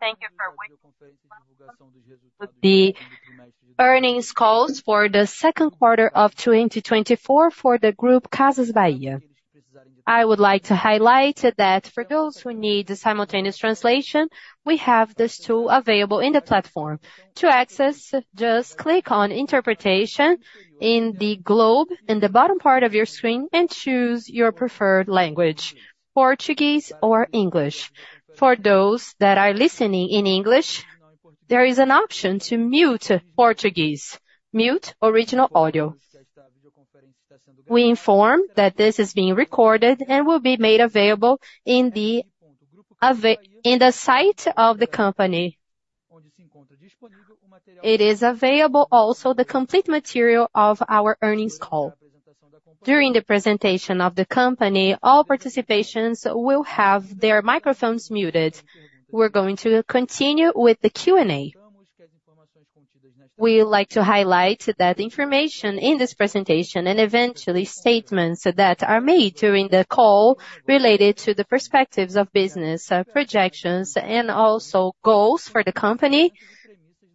...Thank you for waiting with the earnings calls for the second quarter of 2024 for the Grupo Casas Bahia. I would like to highlight that for those who need the simultaneous translation, we have this tool available in the platform. To access, just click on Interpretation in the globe, in the bottom part of your screen, and choose your preferred language, Portuguese or English. For those that are listening in English, there is an option to mute Portuguese, mute original audio. We inform that this is being recorded and will be made available in the site of the company. It is available also the complete material of our earnings call. During the presentation of the company, all participations will have their microphones muted. We're going to continue with the Q&A. We like to highlight that information in this presentation, and eventually, statements that are made during the call related to the perspectives of business, projections, and also goals for the company,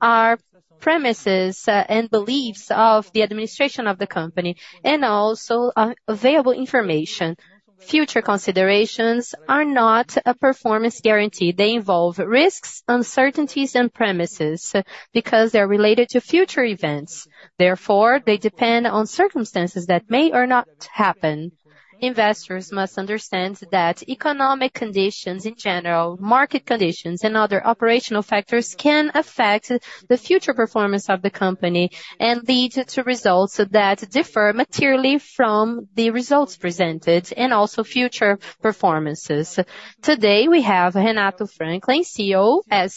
are premises, and beliefs of the administration of the company, and also, available information. Future considerations are not a performance guarantee. They involve risks, uncertainties, and premises, because they're related to future events. Therefore, they depend on circumstances that may or not happen. Investors must understand that economic conditions in general, market conditions and other operational factors can affect the future performance of the company and lead to results that differ materially from the results presented, and also future performances. Today, we have Renato Franklin, CEO, and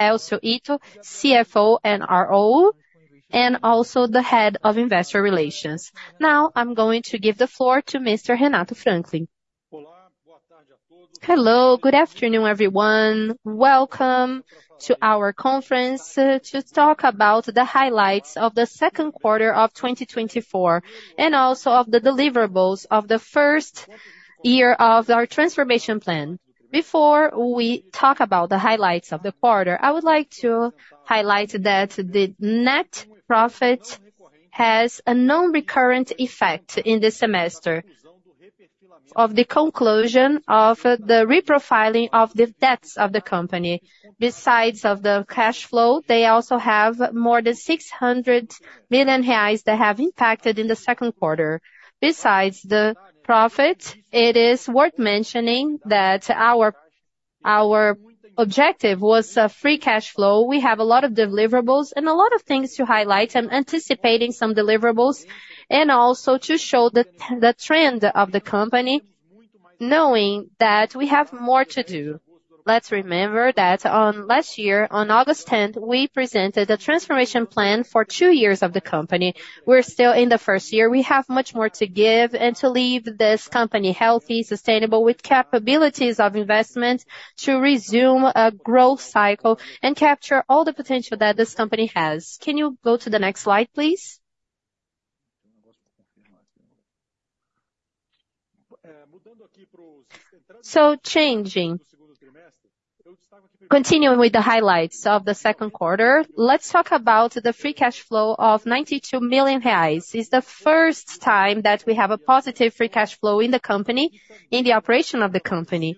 Elcio Ito, CFO and IRO, and also the Head of Investor Relations. Now, I'm going to give the floor to Mr. Renato Franklin. Hello, good afternoon, everyone. Welcome to our conference to talk about the highlights of the second quarter of 2024, and also of the deliverables of the first year of our transformation plan. Before we talk about the highlights of the quarter, I would like to highlight that the net profit has a non-recurrent effect in this semester, of the conclusion of the reprofiling of the debts of the company. Besides of the cash flow, they also have more than 600 million reais that have impacted in the second quarter. Besides the profit, it is worth mentioning that our objective was free cash flow. We have a lot of deliverables and a lot of things to highlight. I'm anticipating some deliverables, and also to show the trend of the company, knowing that we have more to do. Let's remember that last year, on August 10th, we presented a transformation plan for two years of the company. We're still in the first year. We have much more to give and to leave this company healthy, sustainable, with capabilities of investment, to resume a growth cycle and capture all the potential that this company has. Can you go to the next slide, please? So changing. Continuing with the highlights of the second quarter, let's talk about the free cash flow of 92 million reais. It's the first time that we have a positive free cash flow in the company, in the operation of the company.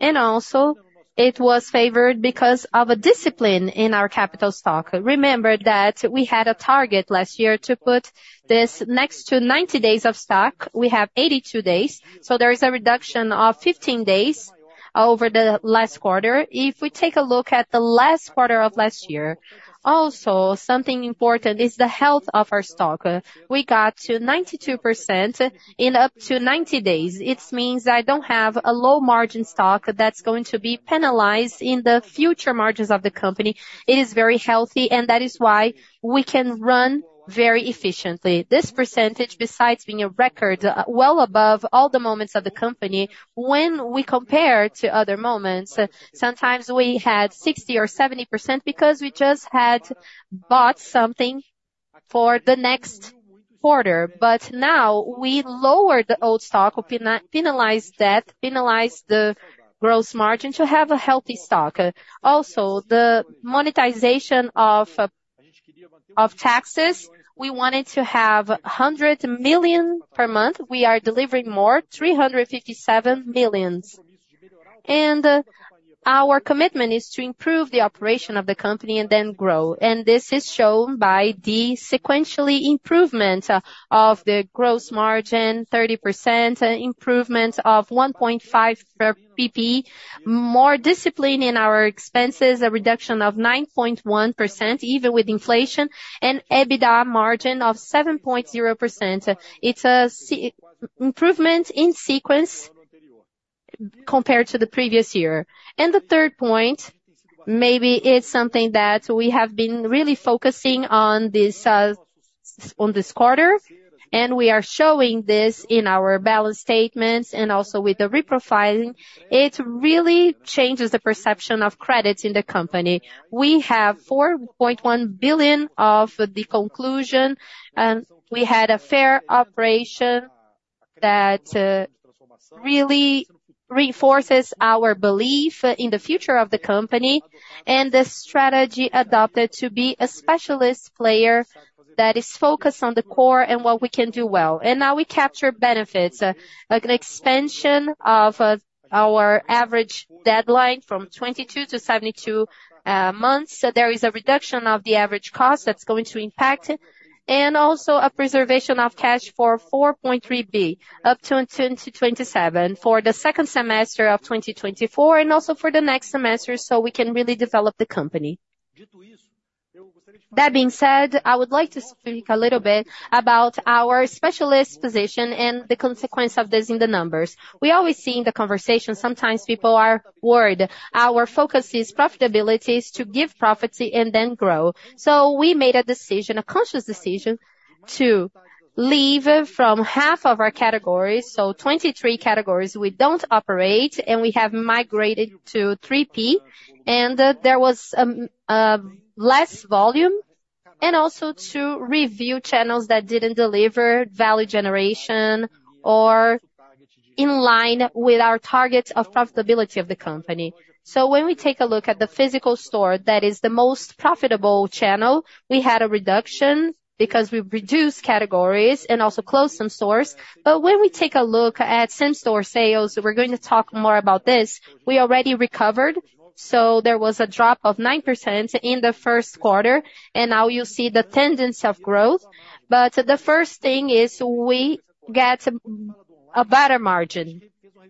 And also, it was favored because of a discipline in our capital stock. Remember that we had a target last year to put this next to 90 days of stock. We have 82 days, so there is a reduction of 15 days over the last quarter. If we take a look at the last quarter of last year, also, something important is the health of our stock. We got to 92% in up to 90 days. It means I don't have a low margin stock that's going to be penalized in the future margins of the company. It is very healthy, and that is why we can run very efficiently. This percentage, besides being a record, well above all the moments of the company, when we compare to other moments, sometimes we had 60% or 70% because we just had bought something for the next quarter. But now, we lowered the old stock, we penalized debt, penalized the gross margin to have a healthy stock. Also, the monetization of taxes, we wanted to have 100 million per month. We are delivering more, 357 million. Our commitment is to improve the operation of the company and then grow. And this is shown by the sequential improvement of the gross margin, 30% improvement of 1.5 per p.p., more discipline in our expenses, a reduction of 9.1%, even with inflation and EBITDA margin of 7.0%. It's a improvement in sequence compared to the previous year. And the third point, maybe it's something that we have been really focusing on this quarter, and we are showing this in our balance statements and also with the reprofiling. It really changes the perception of credits in the company. We have 4.1 billion of the conclusion, and we had a fair operation that really reinforces our belief in the future of the company, and the strategy adopted to be a specialist player that is focused on the core and what we can do well. Now we capture benefits like an expansion of our average deadline from 22 to 72 months. There is a reduction of the average cost that's going to impact it, and also a preservation of cash for 4.3 billion up to 2027 for the second semester of 2024, and also for the next semester, so we can really develop the company. That being said, I would like to speak a little bit about our specialist position and the consequence of this in the numbers. We always see in the conversation, sometimes people are worried. Our focus is profitabilities, to give profits and then grow. So we made a decision, a conscious decision, to leave from half of our categories, so 23 categories we don't operate, and we have migrated to 3P. And there was less volume, and also to review channels that didn't deliver value generation or in line with our target of profitability of the company. So when we take a look at the physical store, that is the most profitable channel, we had a reduction because we reduced categories and also closed some stores. But when we take a look at same-store sales, we're going to talk more about this, we already recovered. So there was a drop of 9% in the first quarter, and now you see the tendency of growth. But the first thing is we get a better margin.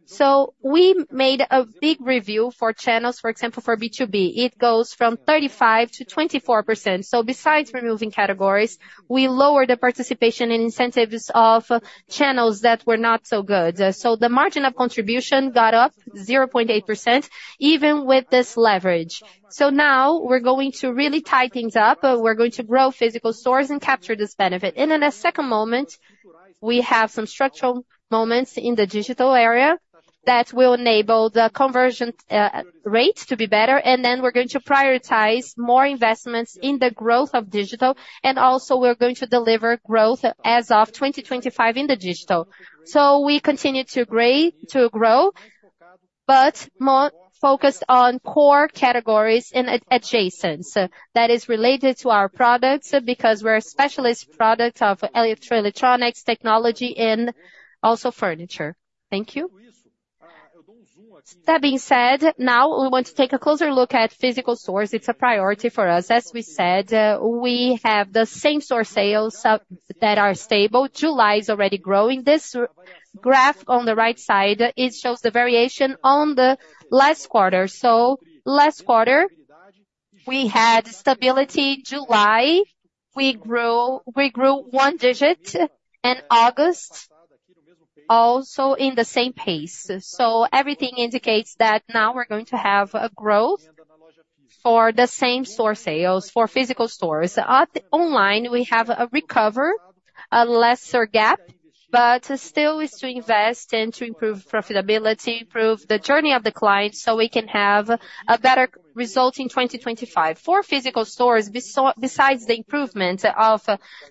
So we made a big review for channels, for example, for B2B, it goes from 35% to 24%. So besides removing categories, we lowered the participation in incentives of channels that were not so good. So the margin of contribution got up 0.8%, even with this leverage. So now we're going to really tie things up, we're going to grow physical stores and capture this benefit. And in a second moment, we have some structural moments in the digital area that will enable the conversion rate to be better, and then we're going to prioritize more investments in the growth of digital, and also we're going to deliver growth as of 2025 in the digital. So we continue to grow, but more focused on core categories and adjacent, so that is related to our products, because we're a specialist product of electronics, technology, and also furniture. Thank you. That being said, now we want to take a closer look at physical stores. It's a priority for us. As we said, we have the same-store sales that are stable. July is already growing. This graph on the right side, it shows the variation on the last quarter. So last quarter, we had stability. July, we grew, we grew one digit, and August also in the same pace. So everything indicates that now we're going to have a growth for the same-store sales, for physical stores. At online, we have a recover, a lesser gap, but still is to invest and to improve profitability, improve the journey of the client, so we can have a better result in 2025. For physical stores, besides the improvement of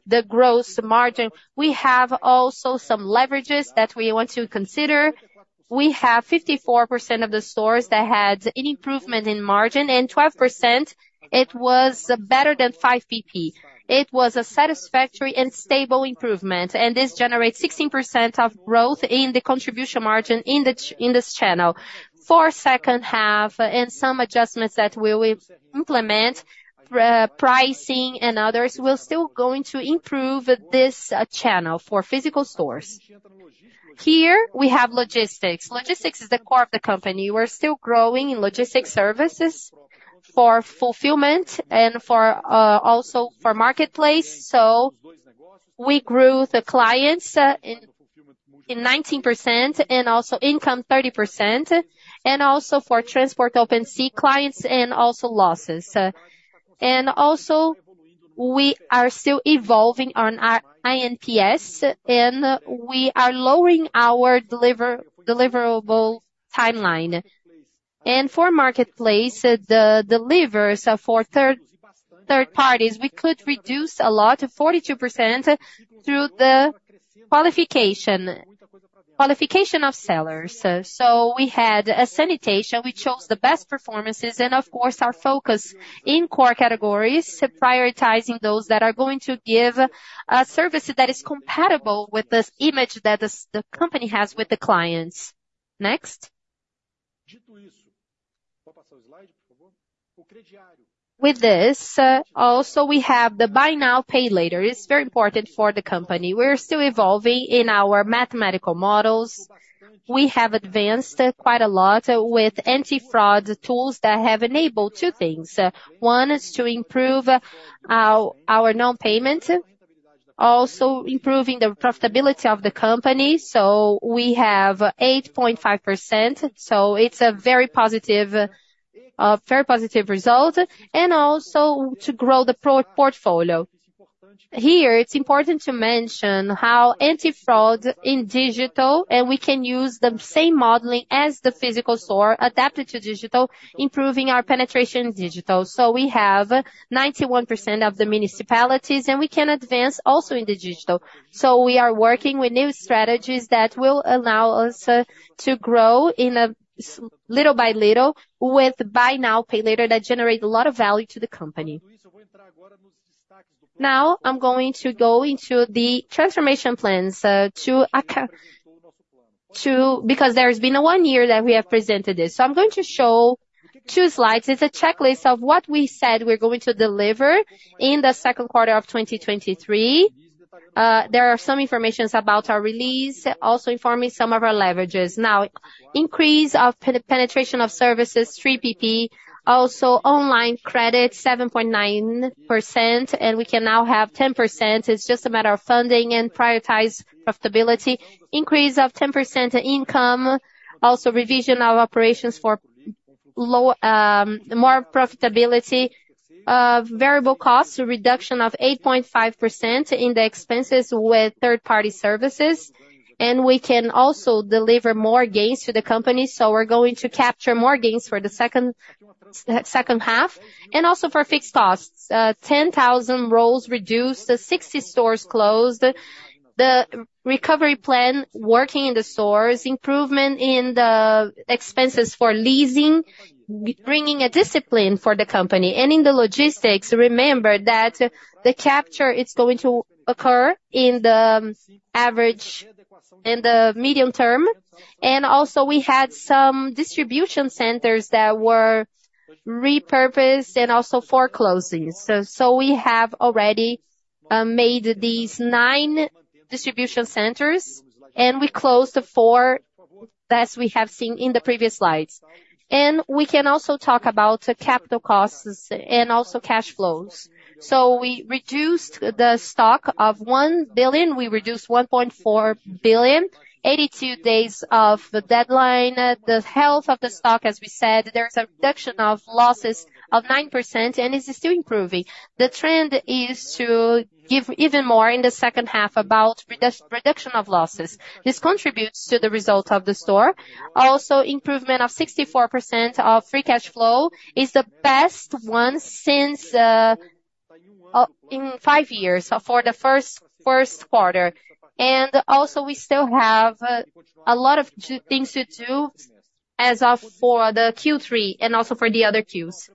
the growth margin, we have also some leverages that we want to consider. We have 54% of the stores that had an improvement in margin, and 12%, it was better than 5 BP. It was a satisfactory and stable improvement, and this generates 16% of growth in the contribution margin in this channel. For second half and some adjustments that we will implement, pricing and others, we're still going to improve this channel for physical stores. Here, we have logistics. Logistics is the core of the company. We're still growing in logistics services for fulfillment and for also for marketplace. So we grew the clients in 19% and also income 30%, and also for transport Open C clients and also losses. And also, we are still evolving on our iNPS, and we are lowering our delivery timeline. And for marketplace, the deliveries are for third parties. We could reduce a lot, to 42%, through the qualification of sellers. So we had a sanitation, we chose the best performances, and of course, our focus in core categories, prioritizing those that are going to give a service that is compatible with the image that the company has with the clients. Next. With this, also, we have the Buy Now, Pay Later. It's very important for the company. We're still evolving in our mathematical models. We have advanced quite a lot with anti-fraud tools that have enabled two things. One is to improve, our, our non-payment, also improving the profitability of the company. So we have 8.5%, so it's a very positive, very positive result, and also to grow the portfolio. Here, it's important to mention how anti-fraud in digital, and we can use the same modeling as the physical store, adapted to digital, improving our penetration in digital. So we have 91% of the municipalities, and we can advance also in the digital. So we are working with new strategies that will allow us to grow in a little by little, with Buy Now, Pay Later, that generate a lot of value to the company. Now, I'm going to go into the transformation plans to because there's been one year that we have presented this. So I'm going to show two slides. It's a checklist of what we said we're going to deliver in the second quarter of 2023. There are some information about our release, also informing some of our leverages. Now, increase of penetration of services, 3PP, also online credit, 7.9%, and we can now have 10%. It's just a matter of funding and prioritize profitability. Increase of 10% income, also revision of operations for low, more profitability, variable costs, a reduction of 8.5% in the expenses with third-party services, and we can also deliver more gains to the company. So we're going to capture more gains for the second half, and also for fixed costs. 10,000 roles reduced, 60 stores closed. The recovery plan working in the stores, improvement in the expenses for leasing, bringing a discipline for the company. And in the logistics, remember that the capture is going to occur in the average, in the medium term. And also, we had some distribution centers that were repurposed and also foreclosing. So we have already made these nine distribution centers, and we closed the four as we have seen in the previous slides. And we can also talk about the capital costs and also cash flows. So we reduced the stock of 1 billion, we reduced 1.4 billion, 82 days of the deadline. The health of the stock, as we said, there is a reduction of losses of 9%, and it's still improving. The trend is to give even more in the second half about reduction of losses. This contributes to the result of the store. Also, improvement of 64% of free cash flow is the best one since in five years for the first quarter. And also, we still have a lot of things to do as of for the Q3 and also for the other Qs.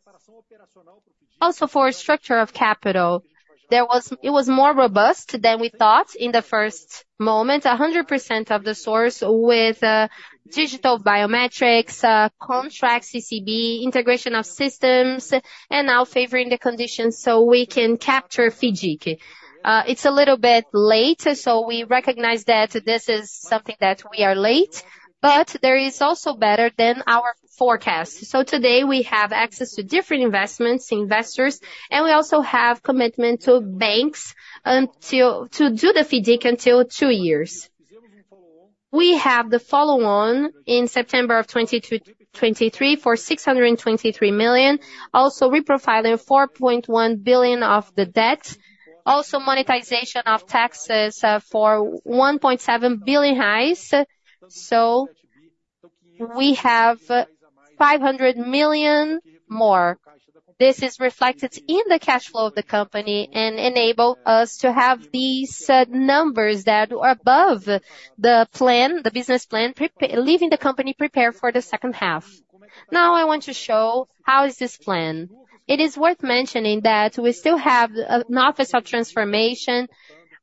Also, for structure of capital, there was. It was more robust than we thought in the first moment. 100% of the source with digital biometrics, contract CCB, integration of systems, and now favoring the conditions so we can capture FIDC. It's a little bit late, so we recognize that this is something that we are late, but there is also better than our forecast. So today, we have access to different investments, investors, and we also have commitment to banks until to do the FIDC until two years. We have the follow-on in September of 2022-2023 for 623 million. Also, reprofiling 4.1 billion of the debt. Also, monetization of taxes for 1.7 billion. So we have 500 million more. This is reflected in the cash flow of the company and enable us to have these numbers that are above the plan, the business plan, leaving the company prepared for the second half. Now, I want to show how is this plan. It is worth mentioning that we still have an office of transformation.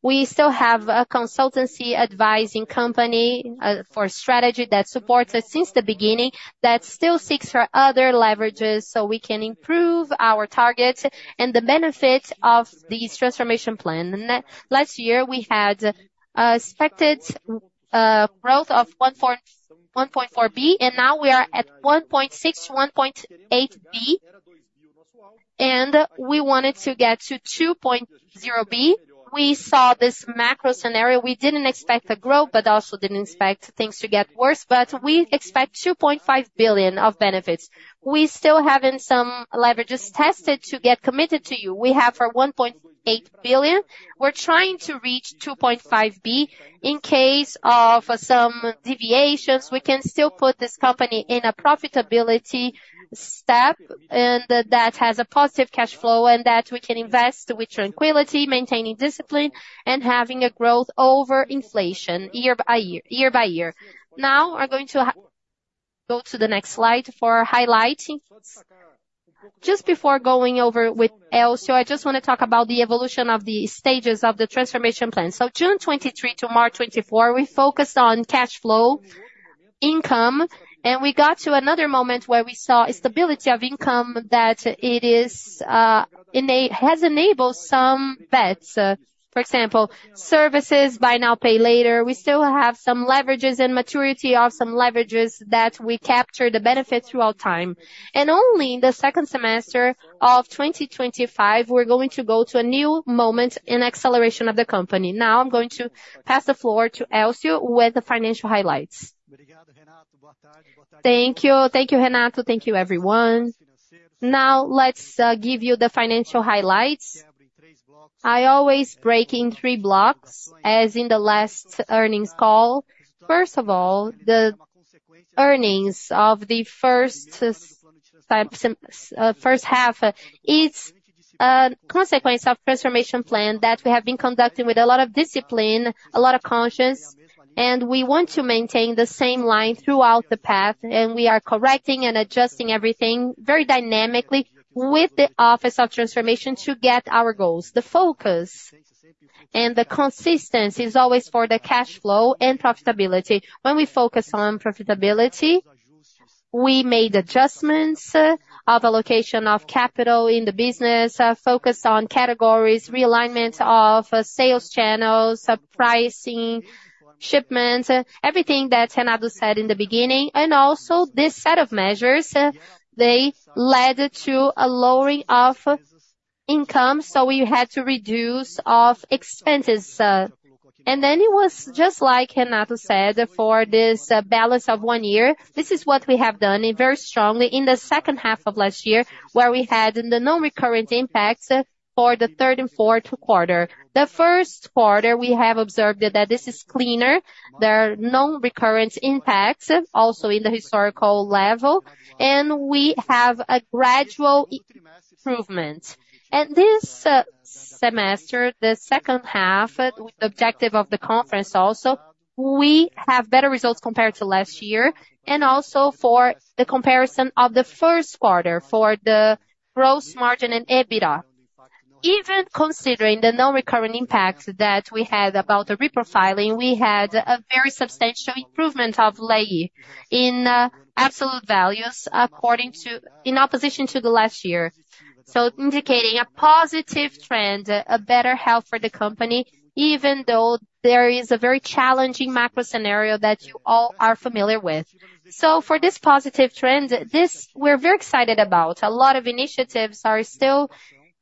We still have a consultancy advising company for strategy that supports us since the beginning, that still seeks for other leverages so we can improve our targets and the benefits of this transformation plan. Last year, we had expected growth of 1.4 billion, and now we are at 1.6 billion-1.8 billion, and we wanted to get to 2.0 billion. We saw this macro scenario. We didn't expect the growth, but also didn't expect things to get worse, but we expect 2.5 billion of benefits. We still haven't some leverages tested to get committed to you. We have our 1.8 billion. We're trying to reach 2.5 billion. In case of some deviations, we can still put this company in a profitability step, and that has a positive cash flow and that we can invest with tranquility, maintaining discipline, and having a growth over inflation year by year. Now, I'm going to go to the next slide for highlighting. Just before going over with Elcio, I just want to talk about the evolution of the stages of the transformation plan. So June 2023 to March 2024, we focused on cash flow, income, and we got to another moment where we saw a stability of income that it is, has enabled some bets. For example, services, Buy Now, Pay Later. We still have some leverages and maturity of some leverages that we capture the benefit throughout time. Only in the second semester of 2025, we're going to go to a new moment in acceleration of the company. Now, I'm going to pass the floor to Elcio with the financial highlights. Thank you. Thank you, Renato. Thank you, everyone. Now, let's give you the financial highlights. I always break in three blocks, as in the last earnings call. First of all, the earnings of the first half is a consequence of transformation plan that we have been conducting with a lot of discipline, a lot of conscience, and we want to maintain the same line throughout the path, and we are correcting and adjusting everything very dynamically with the Office of Transformation to get our goals. The focus and the consistency is always for the cash flow and profitability. When we focus on profitability, we made adjustments of allocation of capital in the business, focus on categories, realignment of sales channels, pricing, shipments, everything that Renato said in the beginning. And also this set of measures, they led to a lowering of income, so we had to reduce of expenses. And then it was just like Renato said, for this balance of one year, this is what we have done, and very strongly in the second half of last year, where we had in the non-recurrent impacts for the third and fourth quarter. The first quarter, we have observed that this is cleaner. There are non-recurrent impacts, also in the historical level, and we have a gradual improvement. This semester, the second half, objective of the conference also, we have better results compared to last year, and also for the comparison of the first quarter for the gross margin and EBITDA. Even considering the non-recurring impacts that we had about the reprofiling, we had a very substantial improvement of LAI in absolute values, according to in opposition to the last year. So indicating a positive trend, a better health for the company, even though there is a very challenging macro scenario that you all are familiar with. So for this positive trend, this, we're very excited about. A lot of initiatives are still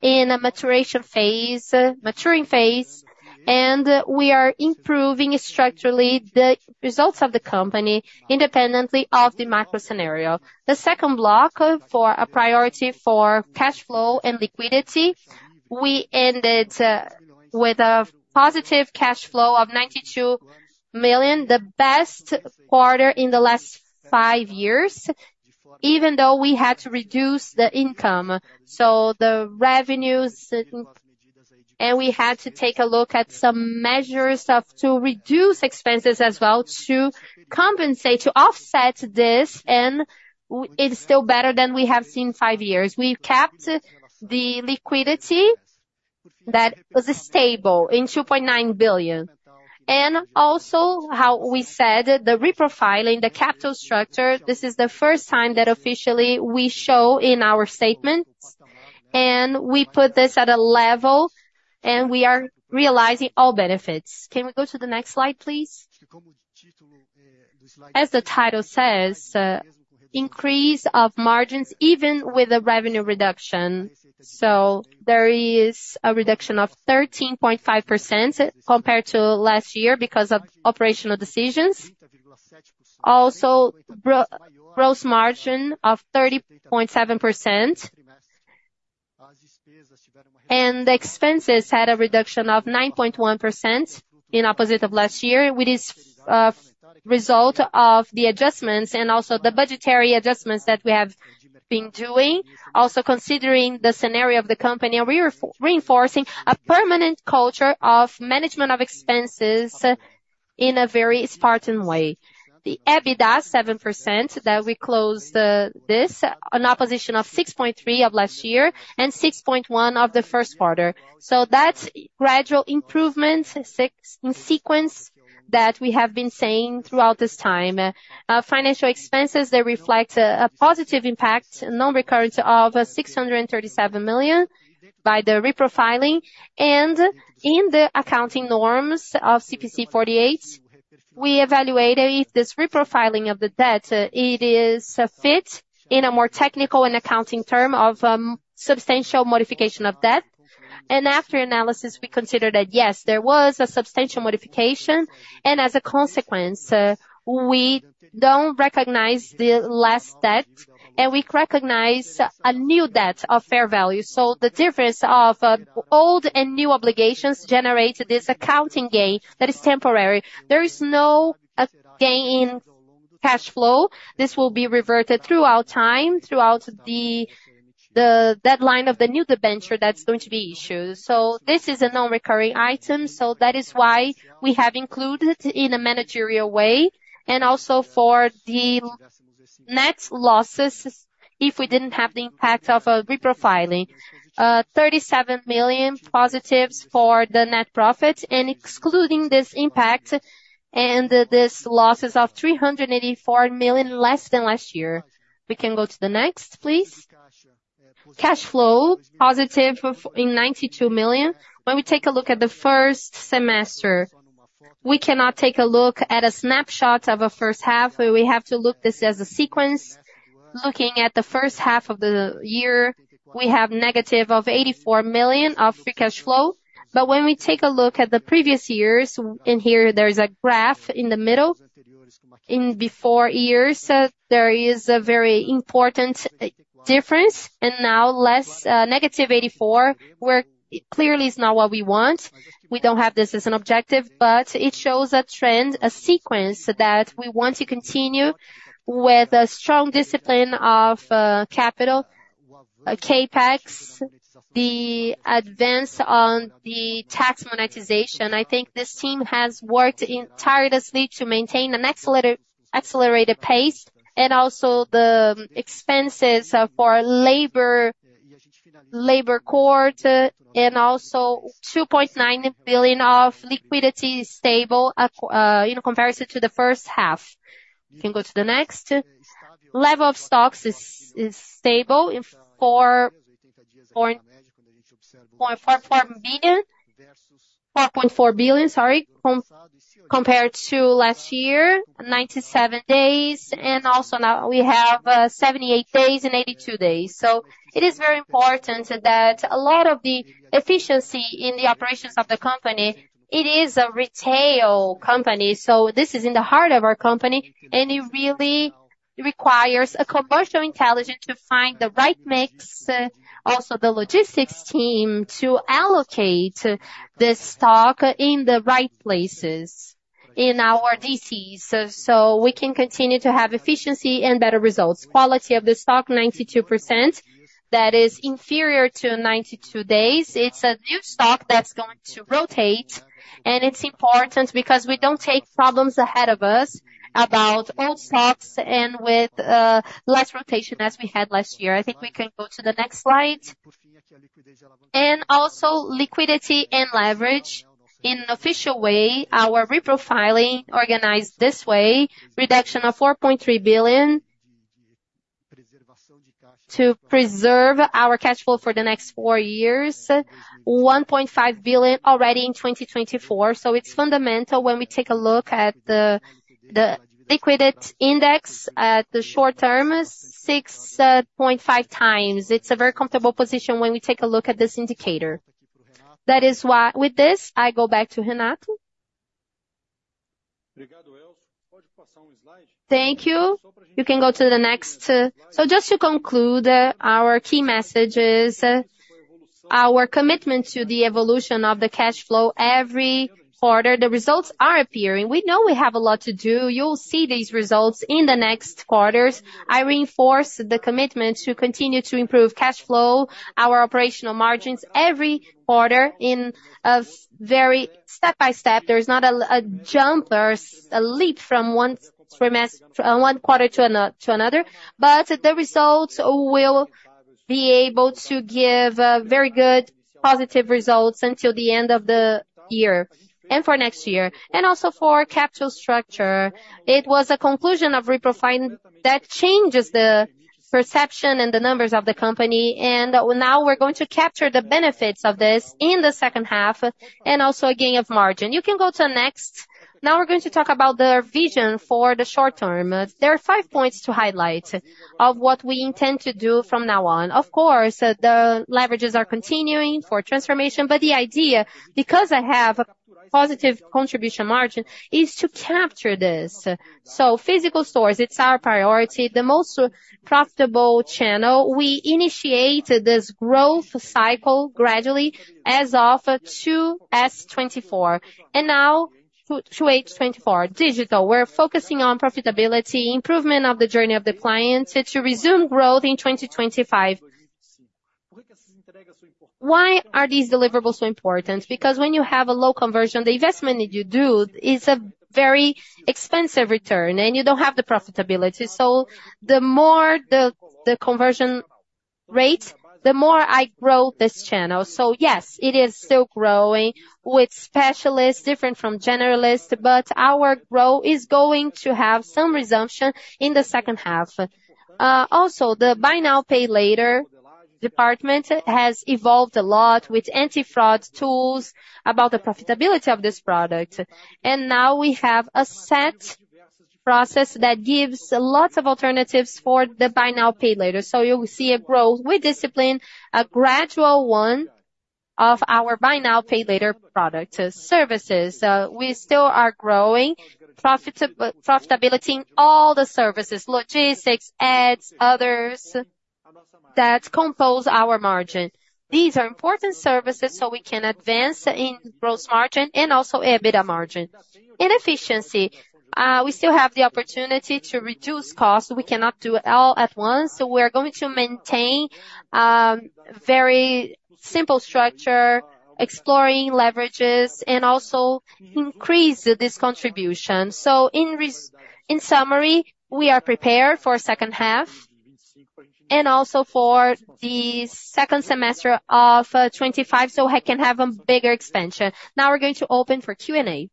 in a maturation phase, maturing phase, and we are improving structurally the results of the company, independently of the macro scenario. The second block for a priority for cash flow and liquidity, we ended with a positive cash flow of 92 million, the best quarter in the last five years, even though we had to reduce the income. So the revenues, and we had to take a look at some measures of to reduce expenses as well, to compensate, to offset this, and it's still better than we have seen in five years. We kept the liquidity that was stable in 2.9 billion. And also, how we said, the reprofiling, the capital structure, this is the first time that officially we show in our statements, and we put this at a level, and we are realizing all benefits. Can we go to the next slide, please? As the title says, increase of margins, even with a revenue reduction. So there is a reduction of 13.5% compared to last year because of operational decisions. Also, gross margin of 30.7%, and the expenses had a reduction of 9.1% in opposite of last year, with this, result of the adjustments and also the budgetary adjustments that we have been doing. Also, considering the scenario of the company, we're reinforcing a permanent culture of management of expenses in a very Spartan way. The EBITDA, 7%, that we closed, an opposition of 6.3% of last year and 6.1% of the first quarter. So that's gradual improvement, six in sequence that we have been saying throughout this time. Financial expenses, they reflect a positive impact, non-recurrent of 637 million by the reprofiling. In the accounting norms of CPC 48, we evaluated if this reprofiling of the debt is a fit in a more technical and accounting term of substantial modification of debt. After analysis, we considered that, yes, there was a substantial modification, and as a consequence, we don't recognize the last debt, and we recognize a new debt of fair value. The difference of old and new obligations generated this accounting gain that is temporary. There is no gain in cash flow. This will be reverted throughout time, throughout the deadline of the new debenture that's going to be issued. This is a non-recurring item, so that is why we have included in a managerial way, and also for the net losses, if we didn't have the impact of reprofiling. 37 million positives for the net profit, and excluding this impact and this losses of 384 million less than last year. We can go to the next, please. Cash flow, positive of 92 million. When we take a look at the first semester, we cannot take a look at a snapshot of a first half. We have to look this as a sequence. Looking at the first half of the year, we have negative of 84 million of free cash flow. But when we take a look at the previous years, and here there is a graph in the middle, in before years, there is a very important difference, and now less -84 million, where clearly is not what we want. We don't have this as an objective, but it shows a trend, a sequence, that we want to continue with a strong discipline of capital, CapEx, the advance on the tax monetization. I think this team has worked tirelessly to maintain an accelerated pace and also the expenses for labor, labor court, and also 2.9 billion of liquidity stable in comparison to the first half. You can go to the next. Level of stocks is stable in 4.4 billion, sorry, compared to last year, 97 days, and also now we have 78 days and 82 days. So it is very important that a lot of the efficiency in the operations of the company. It is a retail company, so this is in the heart of our company, and it really requires a commercial intelligence to find the right mix, also the logistics team to allocate the stock in the right places in our DCs, so, so we can continue to have efficiency and better results. Quality of the stock, 92%, that is inferior to 92 days. It's a new stock that's going to rotate, and it's important because we don't take problems ahead of us about old stocks and with, less rotation as we had last year. I think we can go to the next slide. And also liquidity and leverage. In an official way, our reprofiling organized this way, reduction of 4.3 billion to preserve our cash flow for the next four years, 1.5 billion already in 2024. So it's fundamental when we take a look at the liquid net index at the short term, 6.5 times. It's a very comfortable position when we take a look at this indicator. That is why, with this, I go back to Renato. Thank you. You can go to the next. So just to conclude, our key messages, our commitment to the evolution of the cash flow every quarter, the results are appearing. We know we have a lot to do. You'll see these results in the next quarters. I reinforce the commitment to continue to improve cash flow, our operational margins every quarter in a very step-by-step. There is not a jump, there's a leap from one quarter to another, but the results will be able to give very good positive results until the end of the year and for next year. Also for capital structure, it was a conclusion of reprofiling that changes the perception and the numbers of the company, and now we're going to capture the benefits of this in the second half, and also a gain of margin. You can go to the next. Now we're going to talk about the vision for the short term. There are five points to highlight of what we intend to do from now on. Of course, the leverages are continuing for transformation, but the idea, because I have a positive contribution margin, is to capture this. So physical stores, it's our priority, the most profitable channel. We initiated this growth cycle gradually as of 2Q 2024, and now to 2H 2024. Digital, we're focusing on profitability, improvement of the journey of the client to resume growth in 2025. Why are these deliverables so important? Because when you have a low conversion, the investment that you do is a very expensive return, and you don't have the profitability. So the more the conversion rate, the more I grow this channel. So yes, it is still growing with specialists, different from generalists, but our growth is going to have some resumption in the second half. Also, the Buy Now, Pay Later department has evolved a lot with anti-fraud tools about the profitability of this product. And now we have a set process that gives lots of alternatives for the Buy Now, Pay Later. So you will see a growth. We discipline a gradual one of our Buy Now, Pay Later product services. We still are growing profitability in all the services, logistics, ads, others, that compose our margin. These are important services so we can advance in gross margin and also EBITDA margin. In efficiency, we still have the opportunity to reduce costs. We cannot do it all at once, so we are going to maintain very simple structure, exploring leverages, and also increase this contribution. So in summary, we are prepared for second half and also for the second semester of 2025, so I can have a bigger expansion. Now we're going to open for Q&A.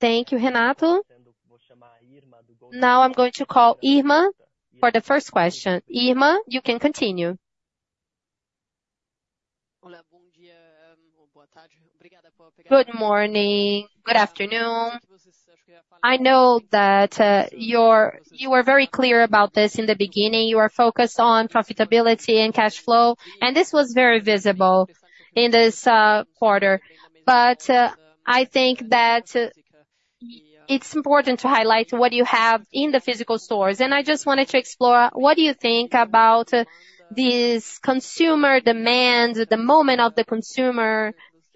Thank you, Renato. Now I'm going to call Irma for the first question. Irma, you can continue. Good morning. Good afternoon. I know that you were very clear about this in the beginning. You are focused on profitability and cash flow, and this was very visible in this quarter. But I think that it's important to highlight what you have in the physical stores. And I just wanted to explore, what do you think about this consumer demand at the moment of the consumer,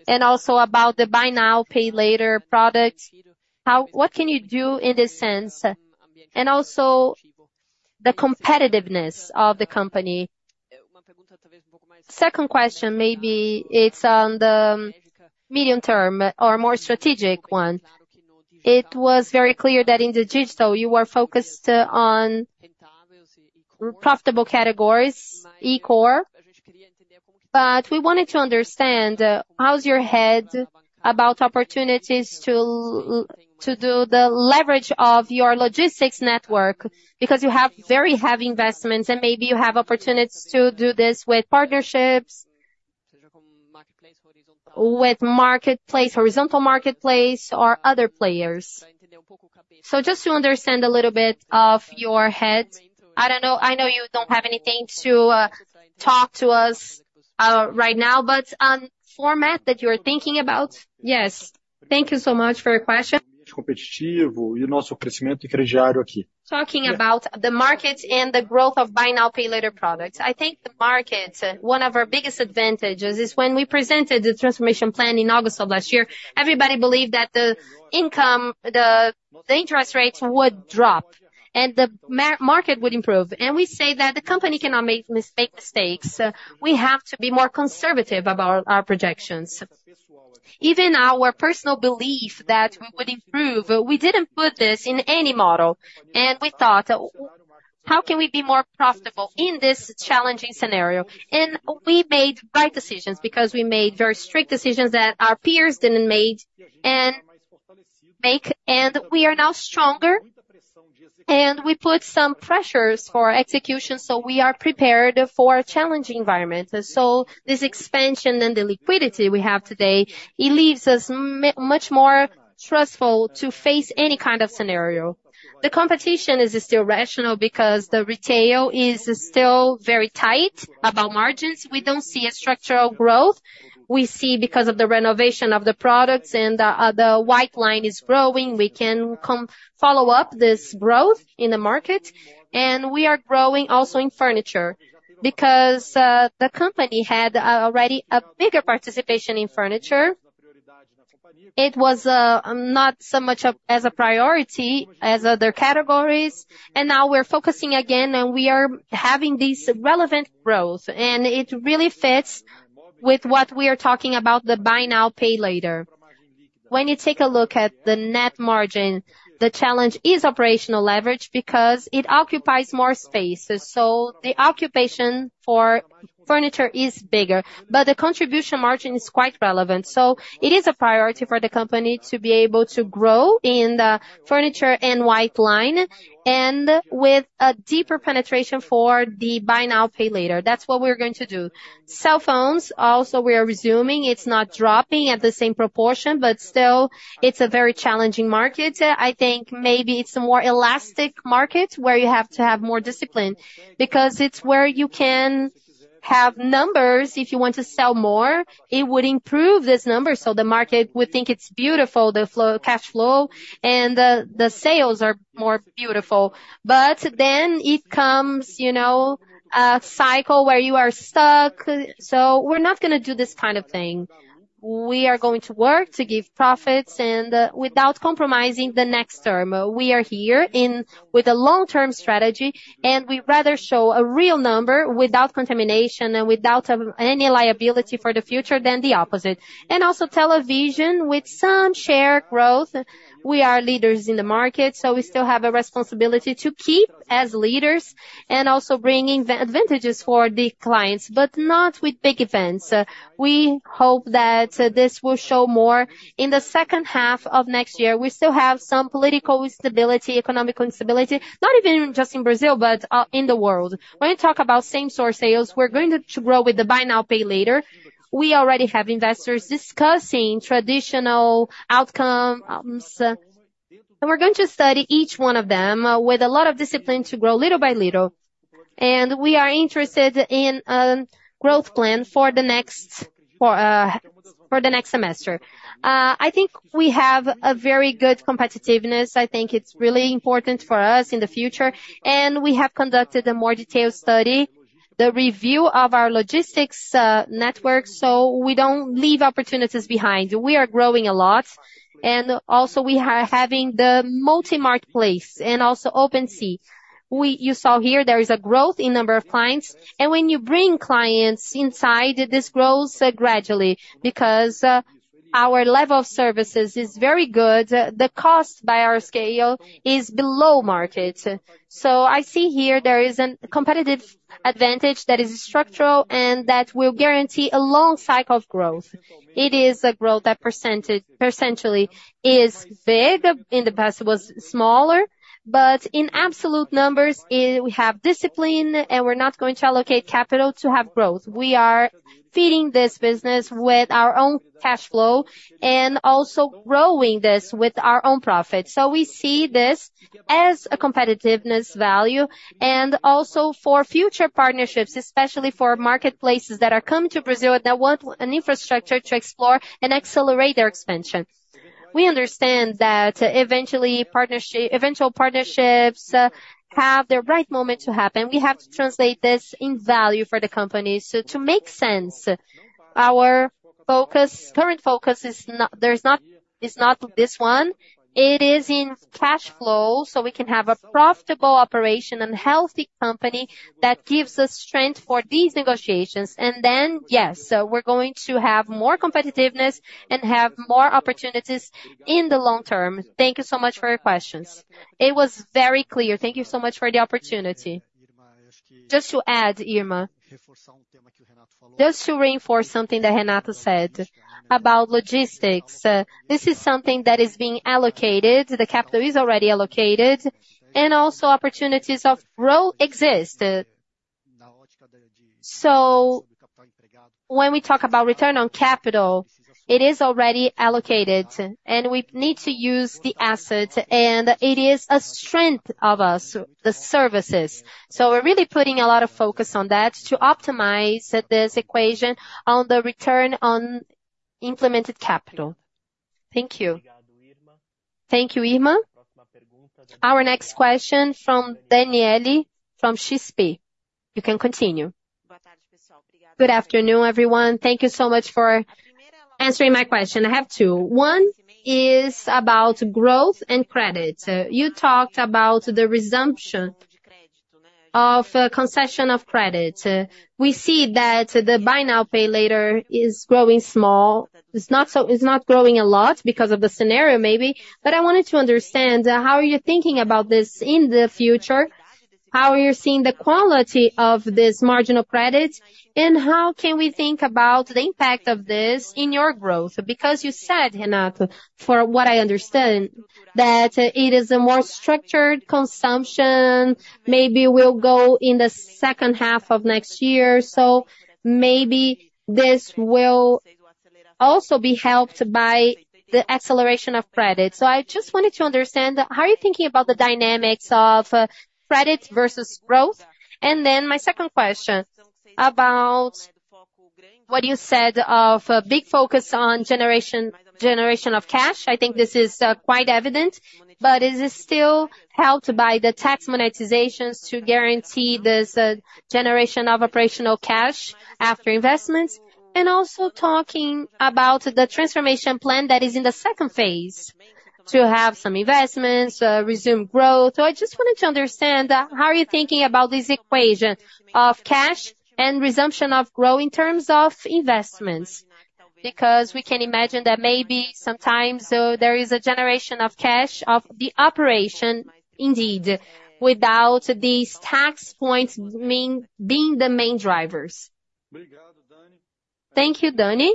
and also about the Buy Now, Pay Later product? What can you do in this sense, and also the competitiveness of the company? Second question, maybe it's on the medium term or more strategic one. It was very clear that in the digital, you were focused on profitable categories, the core. But we wanted to understand, how's your head about opportunities to do the leverage of your logistics network? Because you have very heavy investments, and maybe you have opportunities to do this with partnerships, with marketplace, horizontal marketplace, or other players. So just to understand a little bit ahead, I don't know. I know you don't have anything to talk to us right now, but the format that you are thinking about. Yes, thank you so much for your question. Talking about the market and the growth of Buy Now, Pay Later products, I think the market, one of our biggest advantages is when we presented the transformation plan in August of last year, everybody believed that the economy, the interest rates would drop and the market would improve. And we say that the company cannot make mistakes. We have to be more conservative about our projections. Even our personal belief that we would improve, we didn't put this in any model, and we thought, how can we be more profitable in this challenging scenario? We made right decisions because we made very strict decisions that our peers didn't made and make, and we are now stronger, and we put some pressures for execution, so we are prepared for a challenging environment. So this expansion and the liquidity we have today, it leaves us much more trustful to face any kind of scenario. The competition is still rational because the retail is still very tight about margins. We don't see a structural growth. We see because of the renovation of the products and the white line is growing, we can follow up this growth in the market, and we are growing also in furniture. Because the company had already a bigger participation in furniture. It was not so much of a priority as other categories, and now we're focusing again, and we are having this relevant growth, and it really fits with what we are talking about, the Buy Now, Pay Later. When you take a look at the net margin, the challenge is operational leverage because it occupies more space. So the occupation for furniture is bigger, but the contribution margin is quite relevant. So it is a priority for the company to be able to grow in the furniture and white line, and with a deeper penetration for the Buy Now, Pay Later. That's what we're going to do. Cell phones, also, we are resuming. It's not dropping at the same proportion, but still, it's a very challenging market. I think maybe it's a more elastic market where you have to have more discipline, because it's where you can have numbers. If you want to sell more, it would improve this number, so the market would think it's beautiful, the flow, cash flow, and the sales are more beautiful. But then it comes, you know, a cycle where you are stuck. So we're not gonna do this kind of thing. We are going to work to give profits and without compromising the next term. We are here with a long-term strategy, and we'd rather show a real number without contamination and without any liability for the future than the opposite. And also television, with some share growth, we are leaders in the market, so we still have a responsibility to keep as leaders and also bringing the advantages for the clients, but not with big events. We hope that this will show more in the second half of next year. We still have some political instability, economic instability, not even just in Brazil, but in the world. When you talk about same-store sales, we're going to grow with the Buy Now, Pay Later. We already have investors discussing traditional outcomes, and we're going to study each one of them with a lot of discipline to grow little by little. And we are interested in growth plan for the next semester. I think we have a very good competitiveness. I think it's really important for us in the future, and we have conducted a more detailed study, the review of our logistics network, so we don't leave opportunities behind. We are growing a lot, and also we are having the multi-marketplace and also Open C. You saw here there is a growth in number of clients, and when you bring clients inside, this grows gradually, because our level of services is very good. The cost by our scale is below market. So I see here there is a competitive advantage that is structural, and that will guarantee a long cycle of growth. It is a growth that percentage percentually is big. In the past, it was smaller, but in absolute numbers, we have discipline, and we're not going to allocate capital to have growth. We are feeding this business with our own cash flow, and also growing this with our own profit. So we see this as a competitiveness value, and also for future partnerships, especially for marketplaces that are coming to Brazil, that want an infrastructure to explore and accelerate their expansion. We understand that eventual partnerships have the right moment to happen. We have to translate this in value for the company. So to make sense, our focus, current focus is not this one. It is in cash flow, so we can have a profitable operation and healthy company that gives us strength for these negotiations. And then, yes, so we're going to have more competitiveness and have more opportunities in the long term. Thank you so much for your questions. It was very clear. Thank you so much for the opportunity. Just to add, Irma, just to reinforce something that Renato said about logistics. This is something that is being allocated, the capital is already allocated, and also opportunities of growth exist. So when we talk about return on capital, it is already allocated, and we need to use the asset, and it is a strength of us, the services. So we're really putting a lot of focus on that to optimize this equation on the return on implemented capital. Thank you. Thank you, Irma. Our next question from Daniela, from XP. You can continue. Good afternoon, everyone. Thank you so much for answering my question. I have two. One is about growth and credit. You talked about the resumption of concession of credit. We see that the Buy Now, Pay Later is growing small. It's not growing a lot because of the scenario, maybe, but I wanted to understand how are you thinking about this in the future? How are you seeing the quality of this marginal credit? And how can we think about the impact of this in your growth? Because you said, Renato, for what I understand, that it is a more structured consumption, maybe will go in the second half of next year. So maybe this will also be helped by the acceleration of credit. So I just wanted to understand how are you thinking about the dynamics of credit versus growth? And then my second question, about what you said of a big focus on generation of cash. I think this is quite evident, but is it still helped by the tax monetizations to guarantee this generation of operational cash after investments? And also talking about the transformation plan that is in the second phase, to have some investments, resume growth. So I just wanted to understand, how are you thinking about this equation of cash and resumption of growth in terms of investments? Because we can imagine that maybe sometimes, there is a generation of cash of the operation, indeed, without these tax points being the main drivers. Thank you, Dani.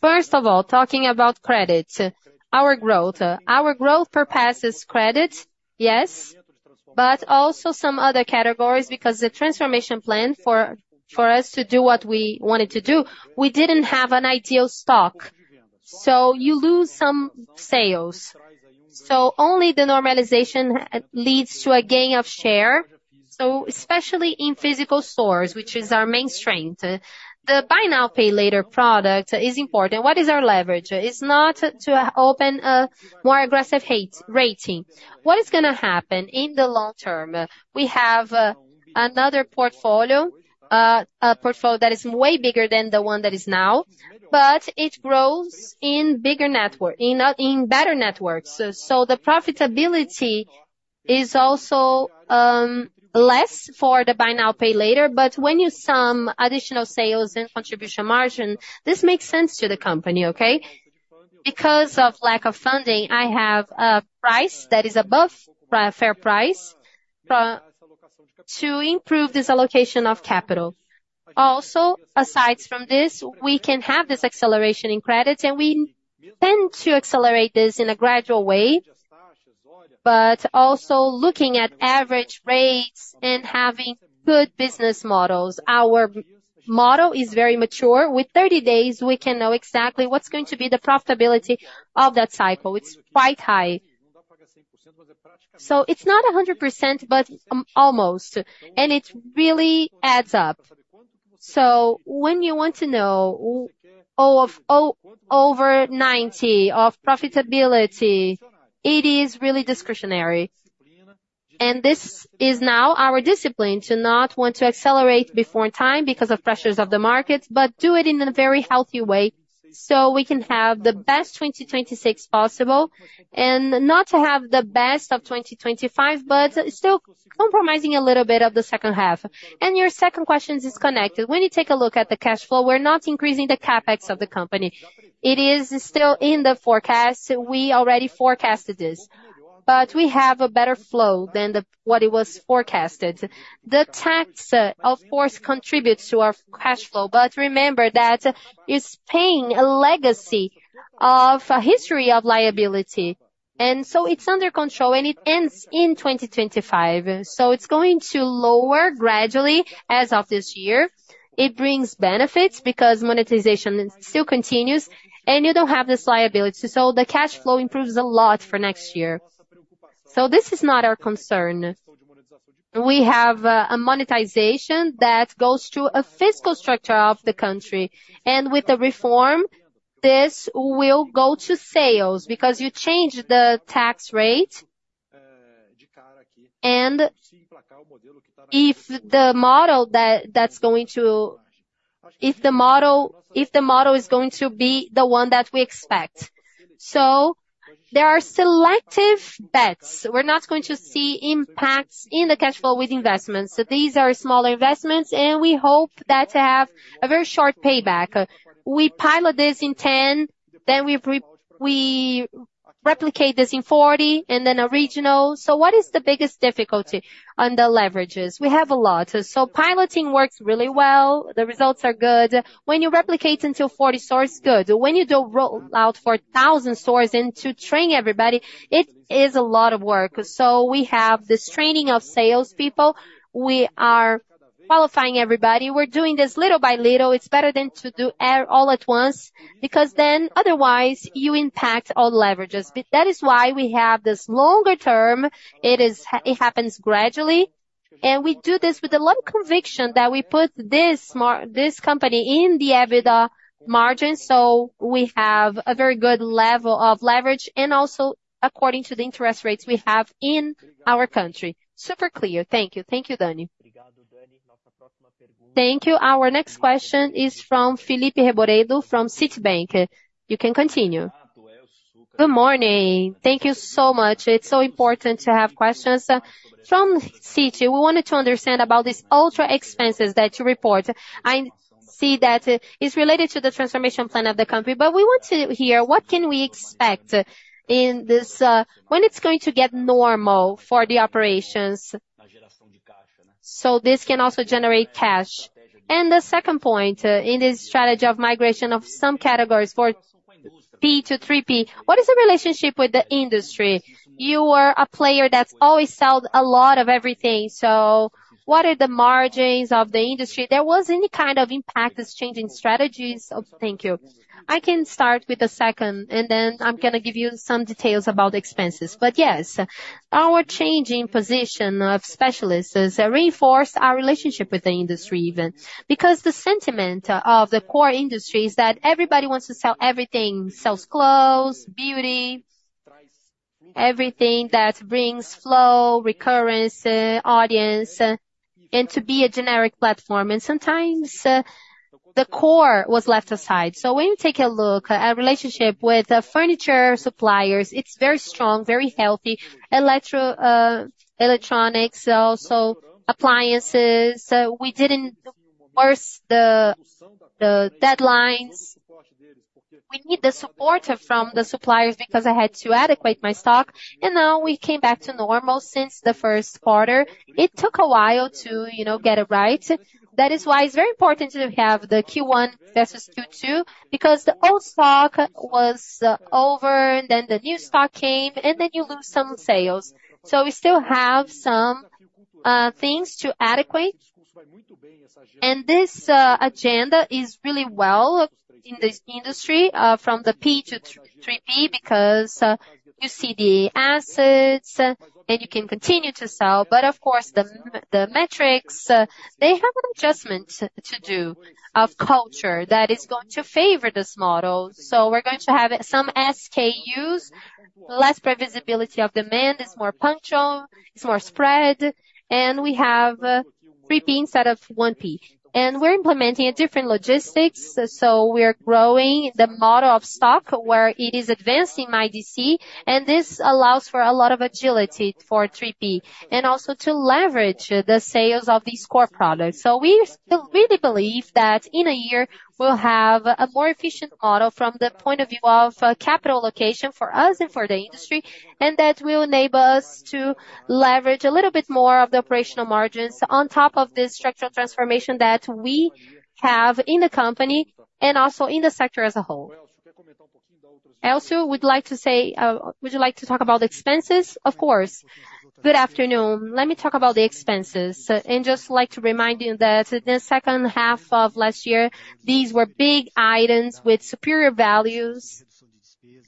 First of all, talking about credit, our growth. Our growth purposes credit, yes, but also some other categories, because the transformation plan for us to do what we wanted to do, we didn't have an ideal stock. So you lose some sales. So only the normalization leads to a gain of share, so especially in physical stores, which is our main strength. The Buy Now, Pay Later product is important. What is our leverage? It's not to open a more aggressive rate, rating. What is gonna happen in the long term? We have another portfolio, a portfolio that is way bigger than the one that is now, but it grows in bigger network, in better networks. So the profitability is also less for the Buy Now, Pay Later, but when you sum additional sales and contribution margin, this makes sense to the company, okay? Because of lack of funding, I have a price that is above fair price to improve this allocation of capital. Also, aside from this, we can have this acceleration in credit, and we tend to accelerate this in a gradual way, but also looking at average rates and having good business models. Our model is very mature. With 30 days, we can know exactly what's going to be the profitability of that cycle. It's quite high. So it's not 100%, but almost, and it really adds up. So when you want to know over 90% of profitability, it is really discretionary. And this is now our discipline, to not want to accelerate before time because of pressures of the market, but do it in a very healthy way, so we can have the best 2026 possible, and not to have the best of 2025, but still compromising a little bit of the second half. And your second question is connected. When you take a look at the cash flow, we're not increasing the CapEx of the company. It is still in the forecast. We already forecasted this. But we have a better flow than what it was forecasted. The tax, of course, contributes to our cash flow, but remember that it's paying a legacy of a history of liability, and so it's under control, and it ends in 2025. So it's going to lower gradually as of this year. It brings benefits because monetization still continues, and you don't have this liability, so the cash flow improves a lot for next year. So this is not our concern. We have a monetization that goes to a fiscal structure of the country, and with the reform, this will go to sales because you change the tax rate. And if the model that's going to be the one that we expect. So there are selective bets. We're not going to see impacts in the cash flow with investments. So these are smaller investments, and we hope that to have a very short payback. We pilot this in 10, then we replicate this in 40 and then a regional. So what is the biggest difficulty on the leverages? We have a lot. So piloting works really well. The results are good. When you replicate into 40 stores, good. When you do roll out for 1,000 stores and to train everybody, it is a lot of work. So we have this training of sales people. We are qualifying everybody. We're doing this little by little. It's better than to do all at once, because then otherwise you impact all leverages. But that is why we have this longer term. It happens gradually, and we do this with a lot of conviction that we put this company in the EBITDA margin, so we have a very good level of leverage and also according to the interest rates we have in our country. Super clear. Thank you. Thank you, Dani. Thank you. Our next question is from Felipe Reboredo, from Citibank. You can continue. Good morning. Thank you so much. It's so important to have questions. From Citi, we wanted to understand about these ultra expenses that you report. I see that it's related to the transformation plan of the company, but we want to hear, what can we expect in this, when it's going to get normal for the operations, so this can also generate cash? The second point, in this strategy of migration of some categories from 1P to 3P, what is the relationship with the industry? You are a player that's always sold a lot of everything, so what are the margins of the industry? There was any kind of impact, this changing strategies of—thank you. I can start with the second, and then I'm gonna give you some details about the expenses. But yes, our changing position of specialists has reinforced our relationship with the industry even. Because the sentiment of the core industry is that everybody wants to sell everything, sells clothes, beauty, everything that brings flow, recurrence, audience, and to be a generic platform, and sometimes, the core was left aside. So when you take a look at our relationship with the furniture suppliers, it's very strong, very healthy. Electronics, also appliances, we didn't force the deadlines. We need the support from the suppliers because I had to adequate my stock, and now we came back to normal since the first quarter. It took a while to, you know, get it right. That is why it's very important to have the Q1 versus Q2, because the old stock was over, then the new stock came, and then you lose some sales. So we still have some things to adequate. And this agenda is really well in this industry, from the 1P to 3P, because you see the assets, and you can continue to sell. But of course, the metrics, they have an adjustment to do of culture that is going to favor this model. So we're going to have some SKUs, less predictability of demand, it's more punctual, it's more spread, and we have a 3P instead of 1P. And we're implementing a different logistics, so we are growing the model of stock where it is advancing my DC, and this allows for a lot of agility for 3P, and also to leverage the sales of these core products. So we still really believe that in a year, we'll have a more efficient model from the point of view of capital allocation for us and for the industry, and that will enable us to leverage a little bit more of the operational margins on top of this structural transformation that we have in the company and also in the sector as a whole. Elcio, would you like to talk about the expenses? Of course. Good afternoon. Let me talk about the expenses, and just like to remind you that in the second half of last year, these were big items with superior values,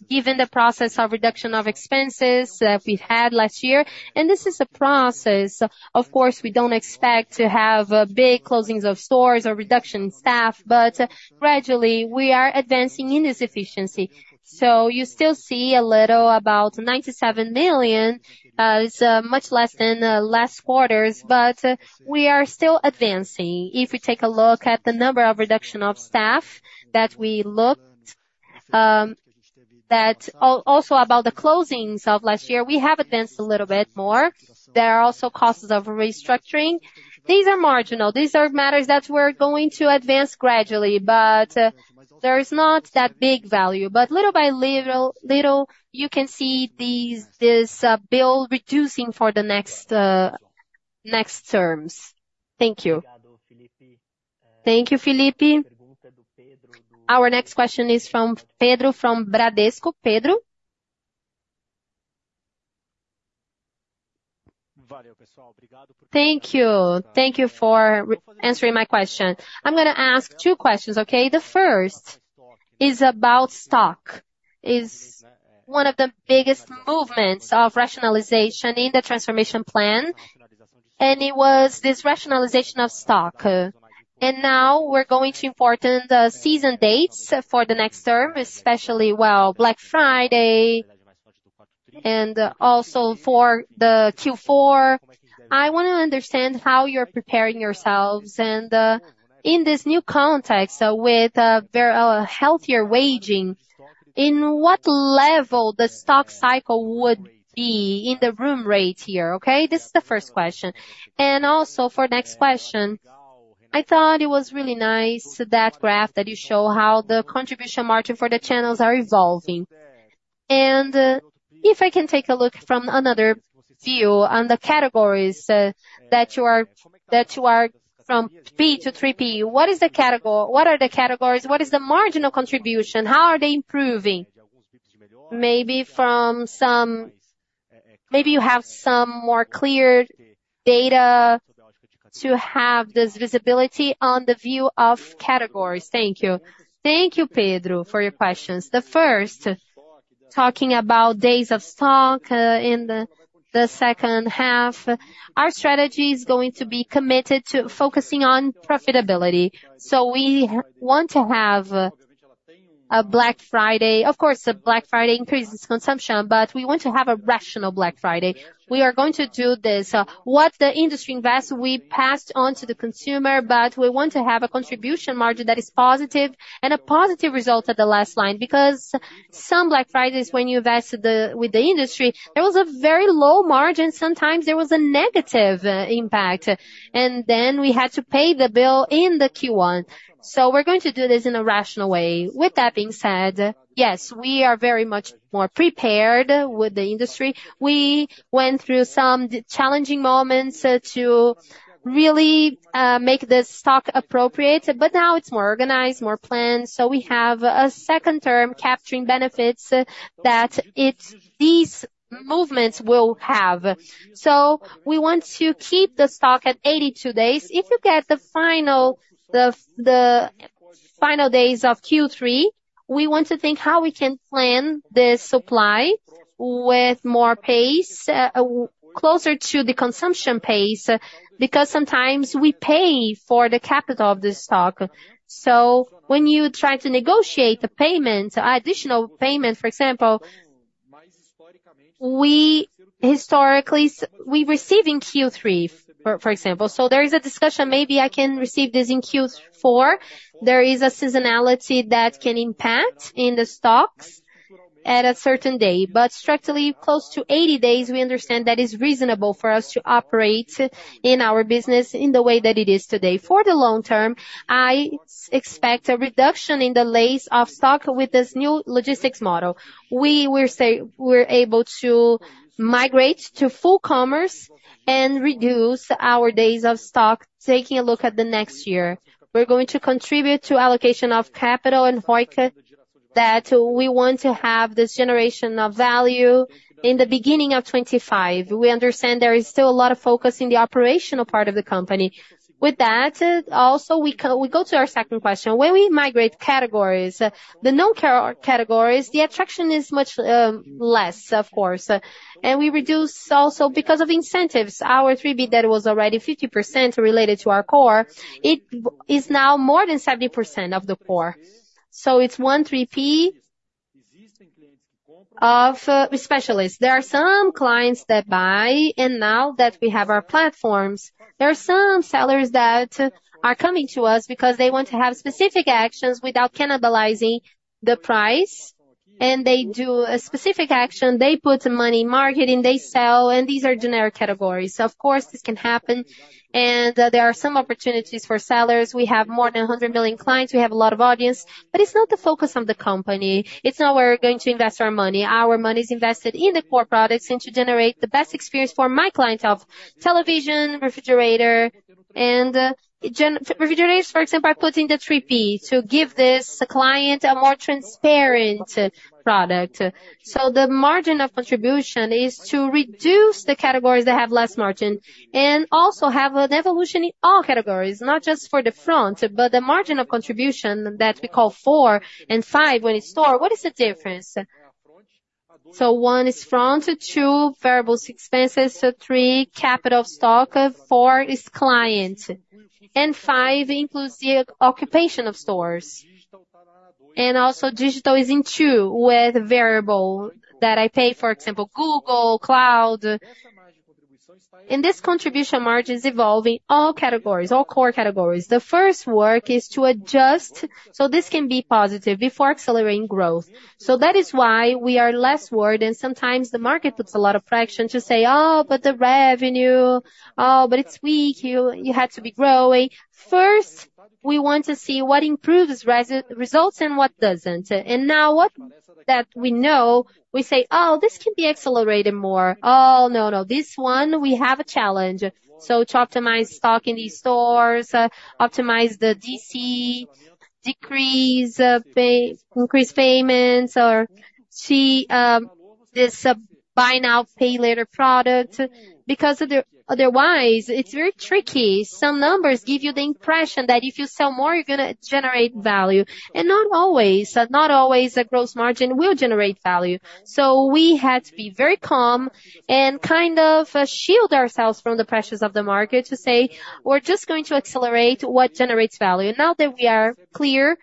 given the process of reduction of expenses that we had last year. This is a process. Of course, we don't expect to have big closings of stores or reduction in staff, but gradually, we are advancing in this efficiency. So you still see a little about 97 million, it's much less than last quarters, but we are still advancing. If we take a look at the number of reduction of staff that we looked, that also about the closings of last year, we have advanced a little bit more. There are also costs of restructuring. These are marginal. These are matters that we're going to advance gradually, but there is not that big value. But little by little, you can see these, this, bill reducing for the next, next terms. Thank you. Thank you, Felipe. Our next question is from Pedro, from Bradesco. Pedro? Thank you. Thank you for answering my question. I'm gonna ask two questions, okay? The first is about stock. Is one of the biggest movements of rationalization in the transformation plan, and it was this rationalization of stock. And now we're going to important season dates for the next term, especially, well, Black Friday and also for the Q4. I want to understand how you're preparing yourselves and, in this new context, with very healthier waging, in what level the stock cycle would be in the room rate year, okay? This is the first question. Also for next question, I thought it was really nice, that graph, that you show how the contribution margin for the channels are evolving. And if I can take a look from another view on the categories, that you are from 1P to 3P, what are the categories? What is the marginal contribution? How are they improving? Maybe you have some more clear data to have this visibility on the view of categories. Thank you. Thank you, Pedro, for your questions. The first, talking about days of stock, in the second half, our strategy is going to be committed to focusing on profitability. So we want to have a Black Friday. Of course, a Black Friday increases consumption, but we want to have a rational Black Friday. We are going to do this. What the industry invests, we passed on to the consumer, but we want to have a contribution margin that is positive and a positive result at the last line. Because some Black Fridays, when you invest the, with the industry, there was a very low margin, sometimes there was a negative impact, and then we had to pay the bill in the Q1. So we're going to do this in a rational way. With that being said, yes, we are very much more prepared with the industry. We went through some challenging moments to really make the stock appropriate, but now it's more organized, more planned, so we have a second term capturing benefits that these movements will have. So we want to keep the stock at 82 days. If you get the final, the final days of Q3, we want to think how we can plan the supply with more pace, closer to the consumption pace, because sometimes we pay for the capital of the stock. So when you try to negotiate the payment, additional payment, for example, we historically we receive in Q3, for example. So there is a discussion, maybe I can receive this in Q4. There is a seasonality that can impact in the stocks at a certain day, but structurally, close to 80 days, we understand that it's reasonable for us to operate in our business in the way that it is today. For the long term, I expect a reduction in the days of stock with this new logistics model. We will say we're able to migrate to full commerce and reduce our days of stock, taking a look at the next year. We're going to contribute to allocation of capital and ROIC, that we want to have this generation of value in the beginning of 2025. We understand there is still a lot of focus in the operational part of the company. With that, also, we go to our second question. When we migrate categories, the known categories, the attraction is much less, of course, and we reduce also because of incentives. Our 3P, that was already 50% related to our core, it is now more than 70% of the core. So it's 1P 3P of specialists. There are some clients that buy, and now that we have our platforms, there are some sellers that are coming to us because they want to have specific actions without cannibalizing the price, and they do a specific action. They put money in marketing, they sell, and these are generic categories. Of course, this can happen, and there are some opportunities for sellers. We have more than 100 million clients. We have a lot of audience, but it's not the focus of the company. It's not where we're going to invest our money. Our money is invested in the core products and to generate the best experience for my client of television, refrigerator, and refrigerators, for example, are put in the 3P, to give this client a more transparent product. So the margin of contribution is to reduce the categories that have less margin and also have an evolution in all categories, not just for the front, but the margin of contribution that we call four and five when in store. What is the difference? So one is front, two, variable expenses, so three, capital stock, four is client, and five includes the occupation of stores. And also digital is in two, with variable that I pay, for example, Google Cloud. And this contribution margin is evolving all categories, all core categories. The first work is to adjust, so this can be positive before accelerating growth. So that is why we are less worried, and sometimes the market puts a lot of pressure to say: "Oh, but the revenue, oh, but it's weak, you had to be growing." First, we want to see what improves results and what doesn't. And now that we know, we say, "Oh, this can be accelerated more. Oh, no, no, this one, we have a challenge." So to optimize stock in these stores, optimize the DC, decrease pay, increase payments, or see. This Buy Now, Pay Later product, because otherwise, it's very tricky. Some numbers give you the impression that if you sell more, you're gonna generate value, and not always, not always a gross margin will generate value. So we had to be very calm and kind of shield ourselves from the pressures of the market to say: We're just going to accelerate what generates value. Now that we are clear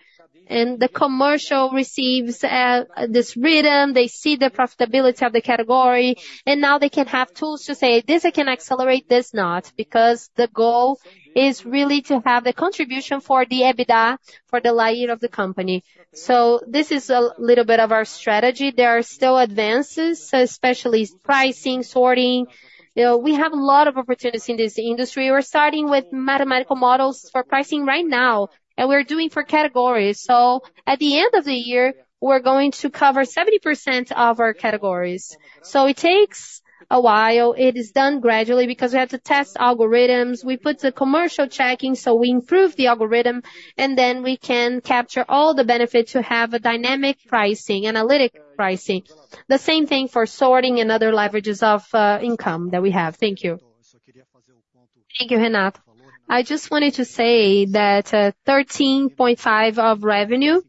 and the commercial receives this rhythm, they see the profitability of the category, and now they can have tools to say, "This, I can accelerate, this not," because the goal is really to have the contribution for the EBITDA, for the light year of the company. So this is a little bit of our strategy. There are still advances, especially pricing, sorting. You know, we have a lot of opportunities in this industry. We're starting with mathematical models for pricing right now, and we're doing for categories. So at the end of the year, we're going to cover 70% of our categories. So it takes a while. It is done gradually because we have to test algorithms. We put the commercial checking, so we improve the algorithm, and then we can capture all the benefit to have a dynamic pricing, analytic pricing. The same thing for sorting and other leverages of income that we have. Thank you. Thank you, Renato. I just wanted to say that 13.5% of revenue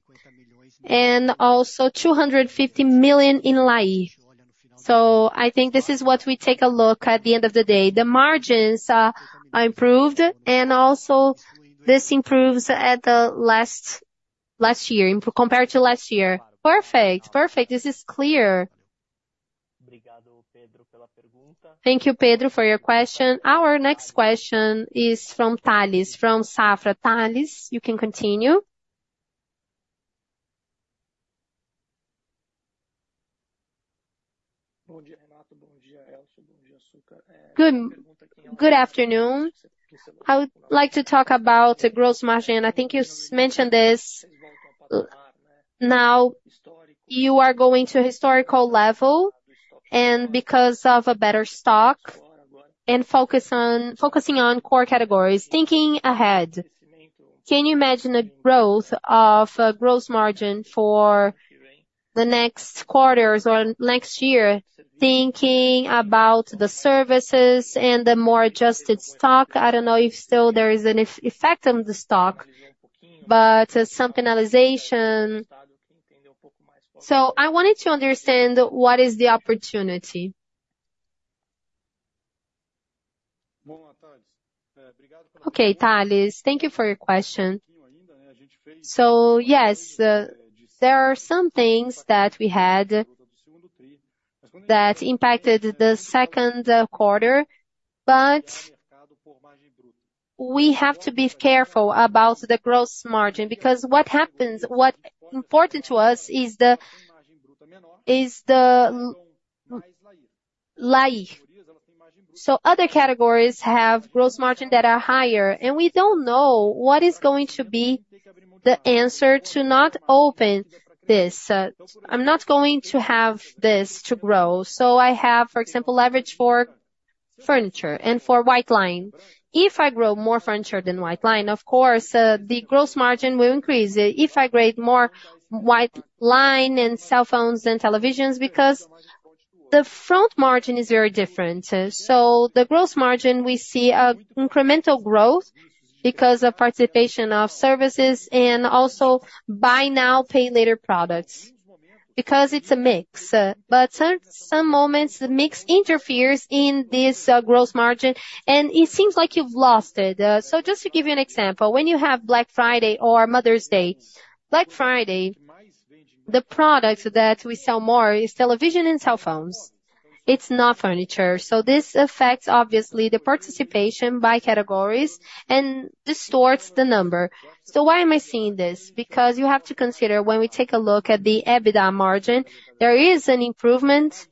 and also 250 million in LAI. So I think this is what we take a look at the end of the day. The margins are improved, and also this improves at the last, last year, in compared to last year. Perfect. Perfect, this is clear. Thank you, Pedro, for your question. Our next question is from Tales, from Safra. Tales, you can continue. Good afternoon. I would like to talk about the gross margin, and I think you mentioned this. Now, you are going to historical level and because of a better stock and focus on focusing on core categories. Thinking ahead, can you imagine a growth of a gross margin for the next quarters or next year, thinking about the services and the more adjusted stock? I don't know if still there is an effect on the stock, but some penalization. So I wanted to understand what is the opportunity. Okay, Tales, thank you for your question. So yes, there are some things that we had that impacted the second quarter, but we have to be careful about the gross margin, because what happens, what's important to us is the LAI. So other categories have gross margin that are higher, and we don't know what is going to be the answer to not open this. I'm not going to have this to grow. So I have, for example, leverage for furniture and for white line. If I grow more furniture than white line, of course, the gross margin will increase. If I grow more white line and cell phones than televisions, because the gross margin is very different. So the gross margin, we see an incremental growth because of participation of services and also Buy Now, Pay Later products, because it's a mix. But some moments, the mix interferes in this gross margin, and it seems like you've lost it. So just to give you an example, when you have Black Friday or Mother's Day, Black Friday, the products that we sell more is television and cell phones. It's not furniture. So this affects, obviously, the participation by categories and distorts the number. So why am I saying this? Because you have to consider when we take a look at the EBITDA margin, there is an improvement,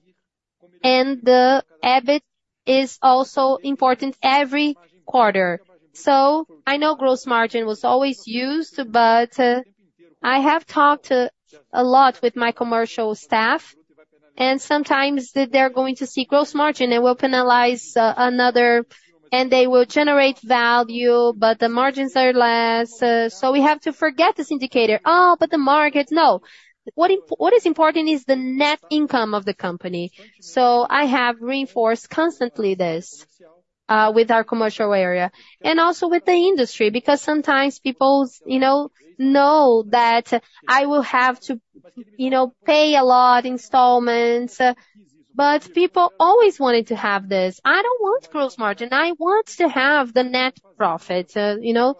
and the EBIT is also important every quarter. So I know gross margin was always used, but I have talked a lot with my commercial staff, and sometimes they're going to see gross margin, and we'll penalize another, and they will generate value, but the margins are less. So we have to forget this indicator. Oh, but the market... No. What is important is the net income of the company. So I have reinforced constantly this with our commercial area and also with the industry, because sometimes people's, you know, know that I will have to, you know, pay a lot installments, but people always wanted to have this. I don't want gross margin, I want to have the net profit, you know,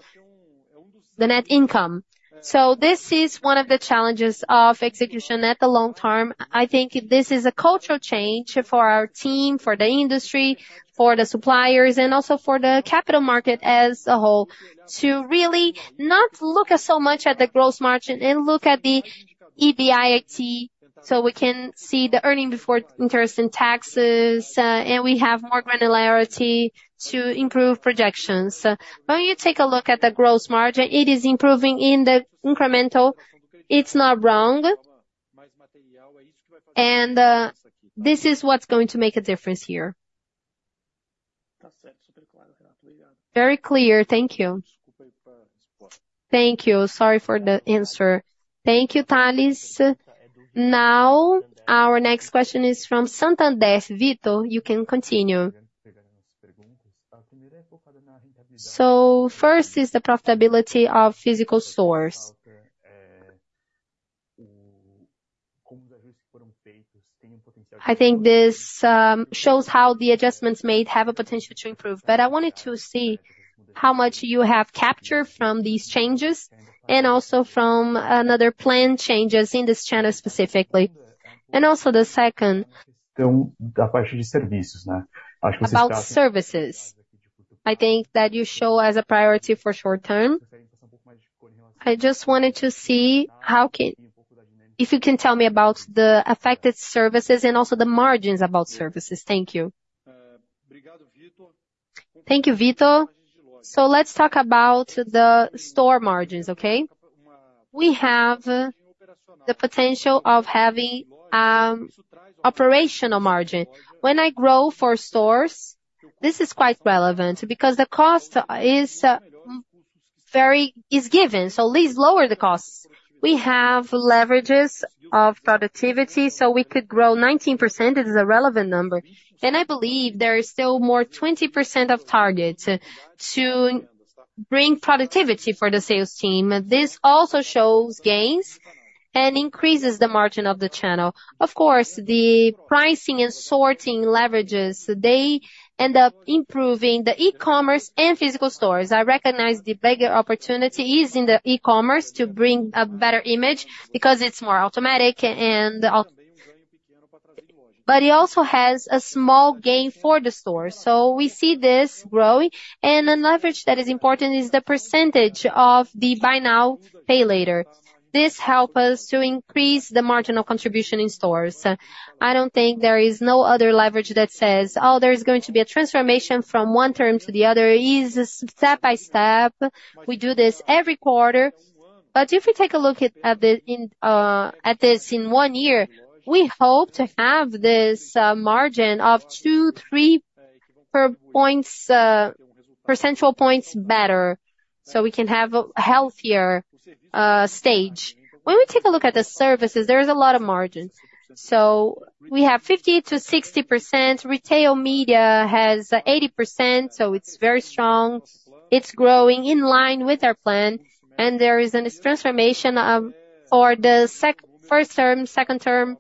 the net income. So this is one of the challenges of execution at the long term. I think this is a cultural change for our team, for the industry, for the suppliers, and also for the capital market as a whole, to really not look so much at the gross margin and look at the EBIT, so we can see the earning before interest in taxes, and we have more granularity to improve projections. When you take a look at the gross margin, it is improving in the incremental. It's not wrong, and this is what's going to make a difference here. Very clear. Thank you. Thank you. Sorry for the answer. Thank you, Tales. Now, our next question is from Santander. Vitor, you can continue. So first is the profitability of physical stores. I think this shows how the adjustments made have a potential to improve, but I wanted to see how much you have captured from these changes, and also from another planned changes in this channel specifically. And also the second, about services, I think that you show as a priority for short term. I just wanted to see how can if you can tell me about the affected services and also the margins about services. Thank you. Thank you, Vitor. So let's talk about the store margins, okay? We have the potential of having operational margin. When I grow for stores, this is quite relevant, because the cost is very is given, so these lower the costs. We have leverages of productivity, so we could grow 19%, it is a relevant number. And I believe there is still more 20% of target to, to bring productivity for the sales team. This also shows gains and increases the margin of the channel. Of course, the pricing and sorting leverages, they end up improving the e-commerce and physical stores. I recognize the bigger opportunity is in the e-commerce to bring a better image, because it's more automatic and. But it also has a small gain for the store. So we see this growing, and a leverage that is important is the percentage of the Buy Now, Pay Later. This help us to increase the marginal contribution in stores. I don't think there is no other leverage that says, "Oh, there is going to be a transformation from one term to the other." It is step by step. We do this every quarter. But if we take a look at this in one year, we hope to have this margin of two-three percentual points better, so we can have a healthier stage. When we take a look at the services, there is a lot of margins. So we have 50%-60%, retail media has 80%, so it's very strong. It's growing in line with our plan, and there is a transformation for the first term, second term.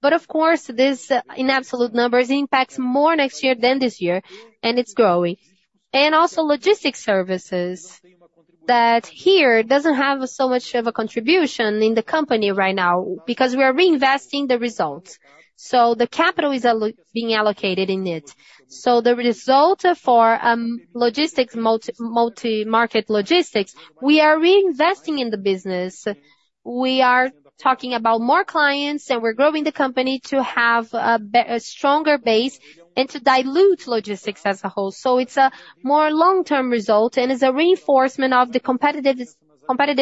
But of course, this in absolute numbers impacts more next year than this year, and it's growing. Also logistics services, that here doesn't have so much of a contribution in the company right now, because we are reinvesting the results. So the capital is being allocated in it. So the result for logistics, multi-market logistics, we are reinvesting in the business. We are talking about more clients, and we're growing the company to have a stronger base and to dilute logistics as a whole. So it's a more long-term result, and it's a reinforcement of the competitive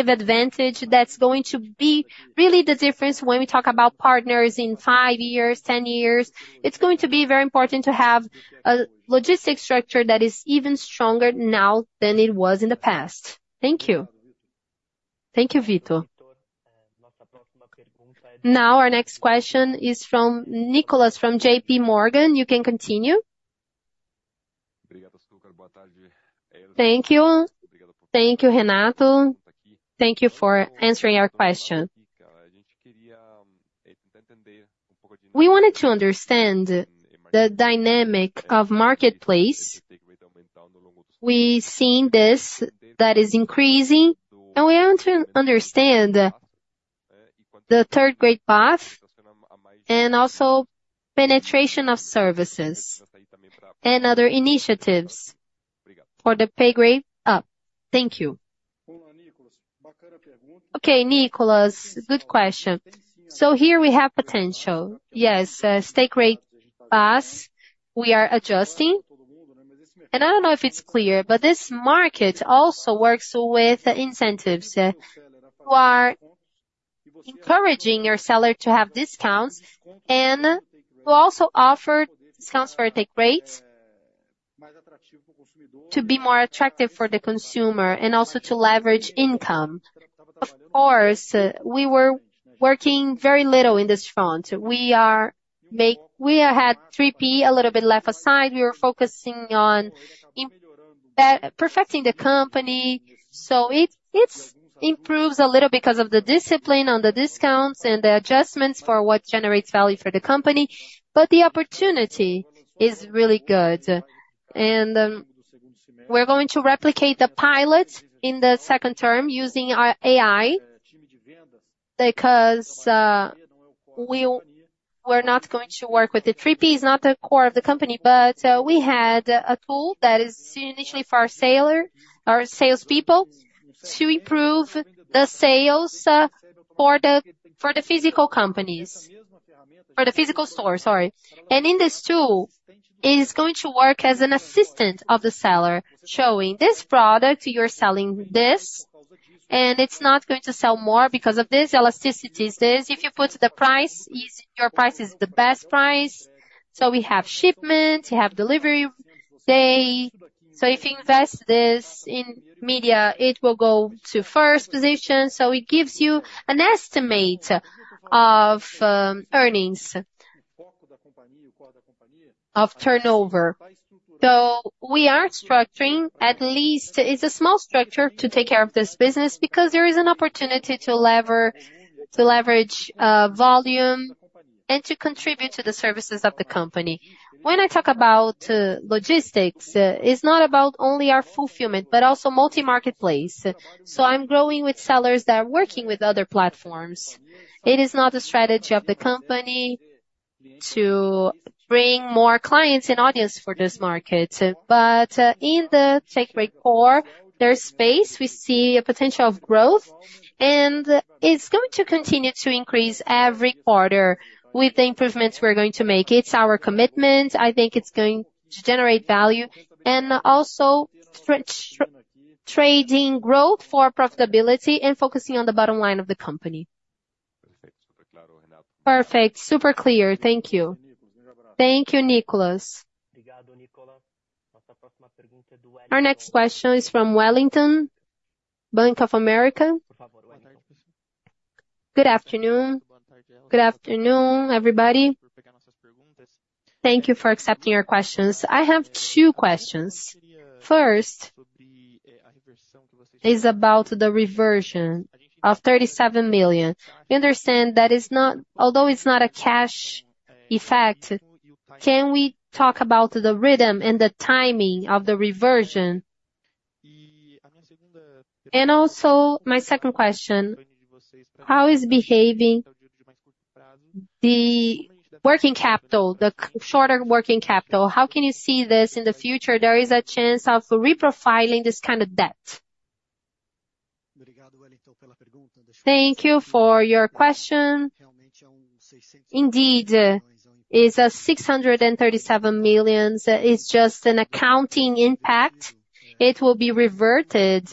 advantage that's going to be really the difference when we talk about partners in 5 years, 10 years. It's going to be very important to have a logistics structure that is even stronger now than it was in the past. Thank you. Thank you, Vitor. Now, our next question is from Nicolas, from J.P. Morgan. You can continue. Thank you. Thank you, Renato. Thank you for answering our question. We wanted to understand the dynamic of marketplace. We've seen this, that is increasing, and we want to understand the 3P and also penetration of services and other initiatives for the upside. Thank you. Okay, Nicholas, good question. So here we have potential. Yes, 3P, we are adjusting. And I don't know if it's clear, but this market also works with incentives. We are encouraging your seller to have discounts, and we also offer discounts for the 3Ps, to be more attractive for the consumer and also to leverage income. Of course, we were working very little in this front. We had 3P, a little bit left aside. We were focusing on improving, bettering, perfecting the company. So it improves a little because of the discipline on the discounts and the adjustments for what generates value for the company, but the opportunity is really good. We're going to replicate the pilot in the second term using our AI, because we're not going to work with the 3P's, not the core of the company, but we had a tool that is initially for our seller, our salespeople, to improve the sales, for the physical companies, for the physical stores, sorry. And in this tool, it is going to work as an assistant of the seller, showing this product, you're selling this. And it's not going to sell more because of this elasticity, it's this, if you put the price, is your price is the best price. So we have shipment, you have delivery day. So if you invest this in media, it will go to first position, so it gives you an estimate of earnings, of turnover. So we are structuring, at least, it's a small structure to take care of this business, because there is an opportunity to leverage volume and to contribute to the services of the company. When I talk about logistics, it's not about only our fulfillment, but also multi-marketplace. So I'm growing with sellers that are working with other platforms. It is not a strategy of the company to bring more clients and audience for this market. But in the take rate core, there's space, we see a potential of growth, and it's going to continue to increase every quarter with the improvements we're going to make. It's our commitment. I think it's going to generate value and also stretch trading growth for profitability and focusing on the bottom line of the company. Perfect. Super clear. Thank you. Thank you, Nicolas. Our next question is from Wellington, Bank of America. Good afternoon. Good afternoon, everybody. Thank you for accepting our questions. I have two questions. First, is about the reversion of 37 million. We understand that is not—although it's not a cash effect, can we talk about the rhythm and the timing of the reversion? And also, my second question: how is behaving the working capital, the shorter working capital? How can you see this in the future? There is a chance of reprofiling this kind of debt. Thank you for your question. Indeed, it's a 637 million. It's just an accounting impact. It will be reverted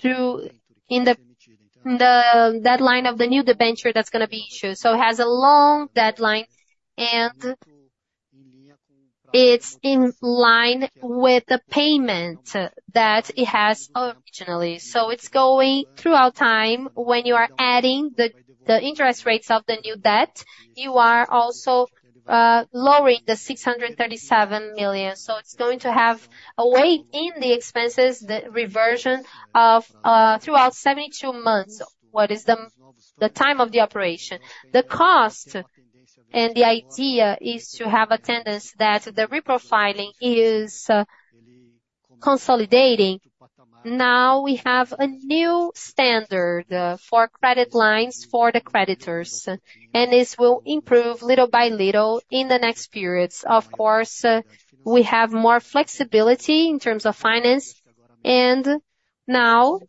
through in the deadline of the new debenture that's gonna be issued. So it has a long deadline, and it's in line with the payment that it has originally. So it's going throughout time. When you are adding the, the interest rates of the new debt, you are also lowering the 637 million. So it's going to have a weight in the expenses, the reversion of throughout 72 months, what is the, the time of the operation. The cost and the idea is to have a tendency that the reprofiling is consolidating. Now we have a new standard for credit lines for the creditors, and this will improve little by little in the next periods. Of course, we have more flexibility in terms of finance, and now,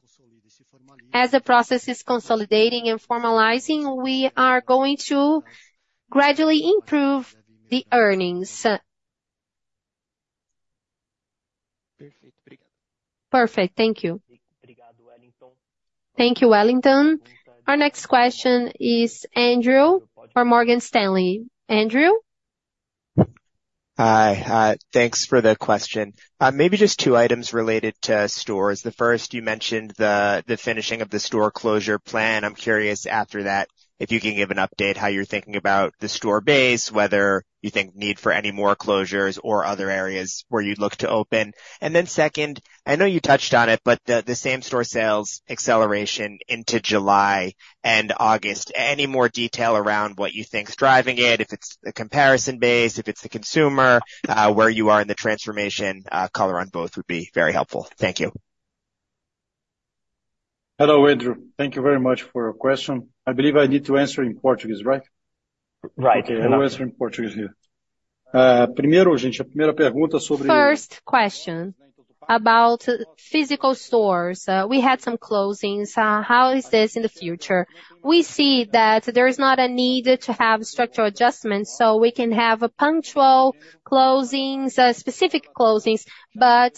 as the process is consolidating and formalizing, we are going to gradually improve the earnings. Perfect. Thank you. Thank you, Wellington. Our next question is Andrew from Morgan Stanley. Andrew? Hi, thanks for the question. Maybe just two items related to stores. The first, you mentioned the, the finishing of the store closure plan. I'm curious, after that, if you can give an update, how you're thinking about the store base, whether you think need for any more closures or other areas where you'd look to open. And then second, I know you touched on it, but the, the same-store sales acceleration into July and August, any more detail around what you think is driving it, if it's the comparison base, if it's the consumer, where you are in the transformation, color on both would be very helpful. Thank you. Hello, Andrew. Thank you very much for your question. I believe I need to answer in Portuguese, right? Right. Okay, I will answer in Portuguese here. First question about physical stores. We had some closings. How is this in the future? We see that there is not a need to have structural adjustments, so we can have a punctual closings, specific closings. But,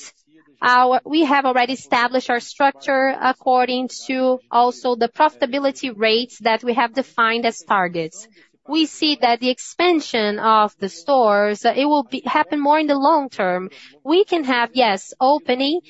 we have already established our structure according to also the profitability rates that we have defined as targets. We see that the expansion of the stores, it will happen more in the long term. We can have, yes, opening,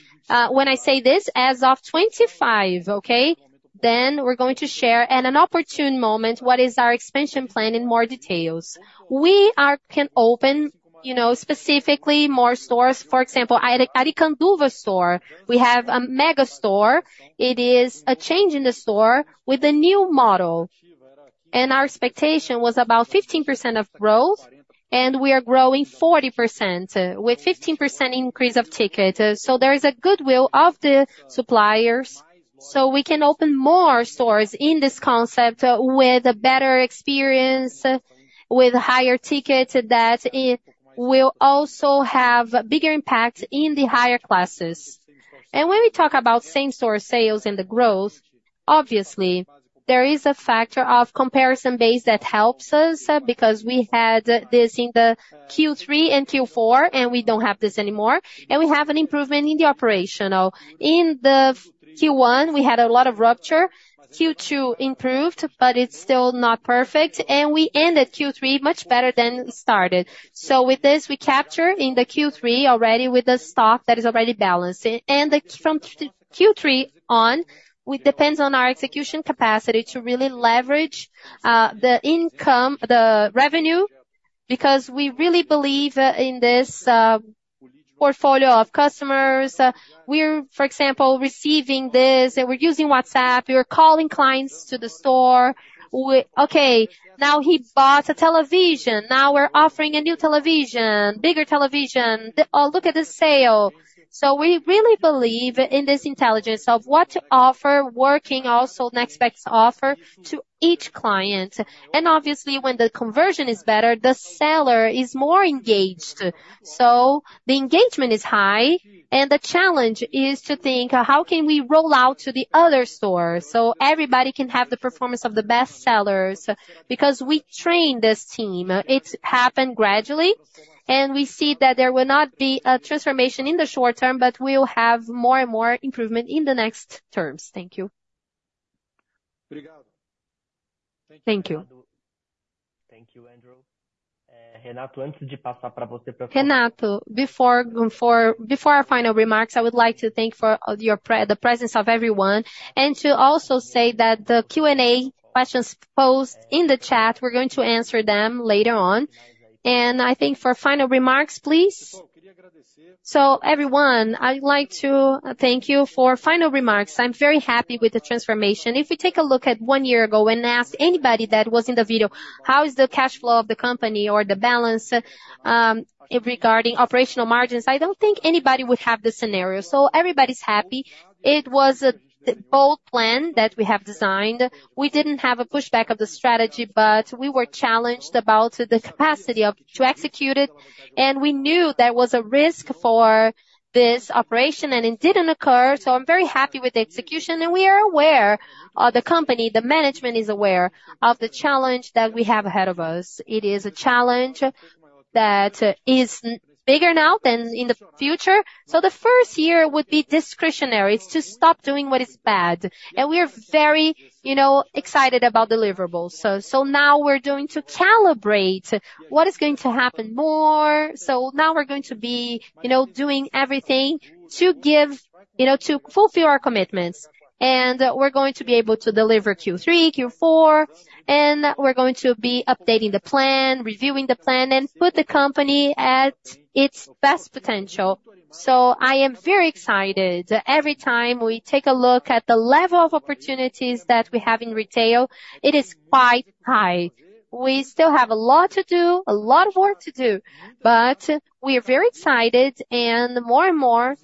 when I say this, as of 2025, okay? Then we're going to share at an opportune moment what is our expansion plan in more details. We can open, you know, specifically more stores. For example, at a Aricanduva store, we have a mega store. It is a change in the store with a new model, and our expectation was about 15% of growth, and we are growing 40%, with 15% increase of ticket. So there is a goodwill of the suppliers, so we can open more stores in this concept, with a better experience, with higher tickets, that it will also have bigger impact in the higher classes. And when we talk about same-store sales and the growth, obviously. There is a factor of comparison base that helps us, because we had this in the Q3 and Q4, and we don't have this anymore, and we have an improvement in the operational. In the Q1, we had a lot of rupture. Q2 improved, but it's still not perfect, and we ended Q3 much better than we started. So with this, we capture in the Q3 already with the stock that is already balancing. And from Q3 on, it depends on our execution capacity to really leverage the income, the revenue, because we really believe in this portfolio of customers. We're, for example, receiving this, and we're using WhatsApp, we're calling clients to the store. We- okay, now he bought a television, now we're offering a new television, bigger television. Look at the sale! So we really believe in this intelligence of what to offer, working also next best offer to each client. And obviously, when the conversion is better, the seller is more engaged. So the engagement is high, and the challenge is to think: how can we roll out to the other stores, so everybody can have the performance of the best sellers? Because we train this team, it's happened gradually, and we see that there will not be a transformation in the short term, but we'll have more and more improvement in the next terms. Thank you. Thank you. Thank you, Andrew. Renato, Renato, before our final remarks, I would like to thank for your presence of everyone, and to also say that the Q&A questions posed in the chat, we're going to answer them later on. And I think for final remarks, please. So everyone, I'd like to thank you for final remarks. I'm very happy with the transformation. If you take a look at one year ago and ask anybody that was in the video, "How is the cash flow of the company or the balance regarding operational margins?" I don't think anybody would have the scenario. So everybody's happy. It was a bold plan that we have designed. We didn't have a pushback of the strategy, but we were challenged about the capacity to execute it, and we knew there was a risk for this operation, and it didn't occur. So I'm very happy with the execution, and we are aware of the company, the management is aware of the challenge that we have ahead of us. It is a challenge that is bigger now than in the future. So the first year would be discretionary. It's to stop doing what is bad. And we are very, you know, excited about deliverables. So, so now we're going to calibrate what is going to happen more. So now we're going to be, you know, doing everything to give, you know, to fulfill our commitments. And we're going to be able to deliver Q3, Q4, and we're going to be updating the plan, reviewing the plan, and put the company at its best potential. So I am very excited. Every time we take a look at the level of opportunities that we have in retail, it is quite high. We still have a lot to do, a lot of work to do, but we are very excited and more and more,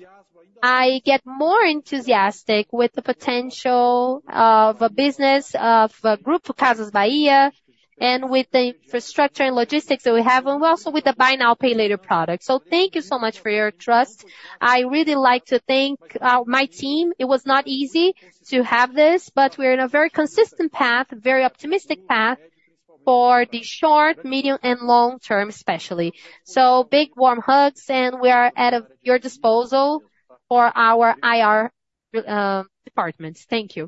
I get more enthusiastic with the potential of a business, of Grupo Casas Bahia, and with the infrastructure and logistics that we have, and also with the Buy Now, Pay Later product. So thank you so much for your trust. I really like to thank my team. It was not easy to have this, but we're in a very consistent path, very optimistic path for the short, medium, and long term, especially. So big, warm hugs, and we are at your disposal for our IR departments. Thank you.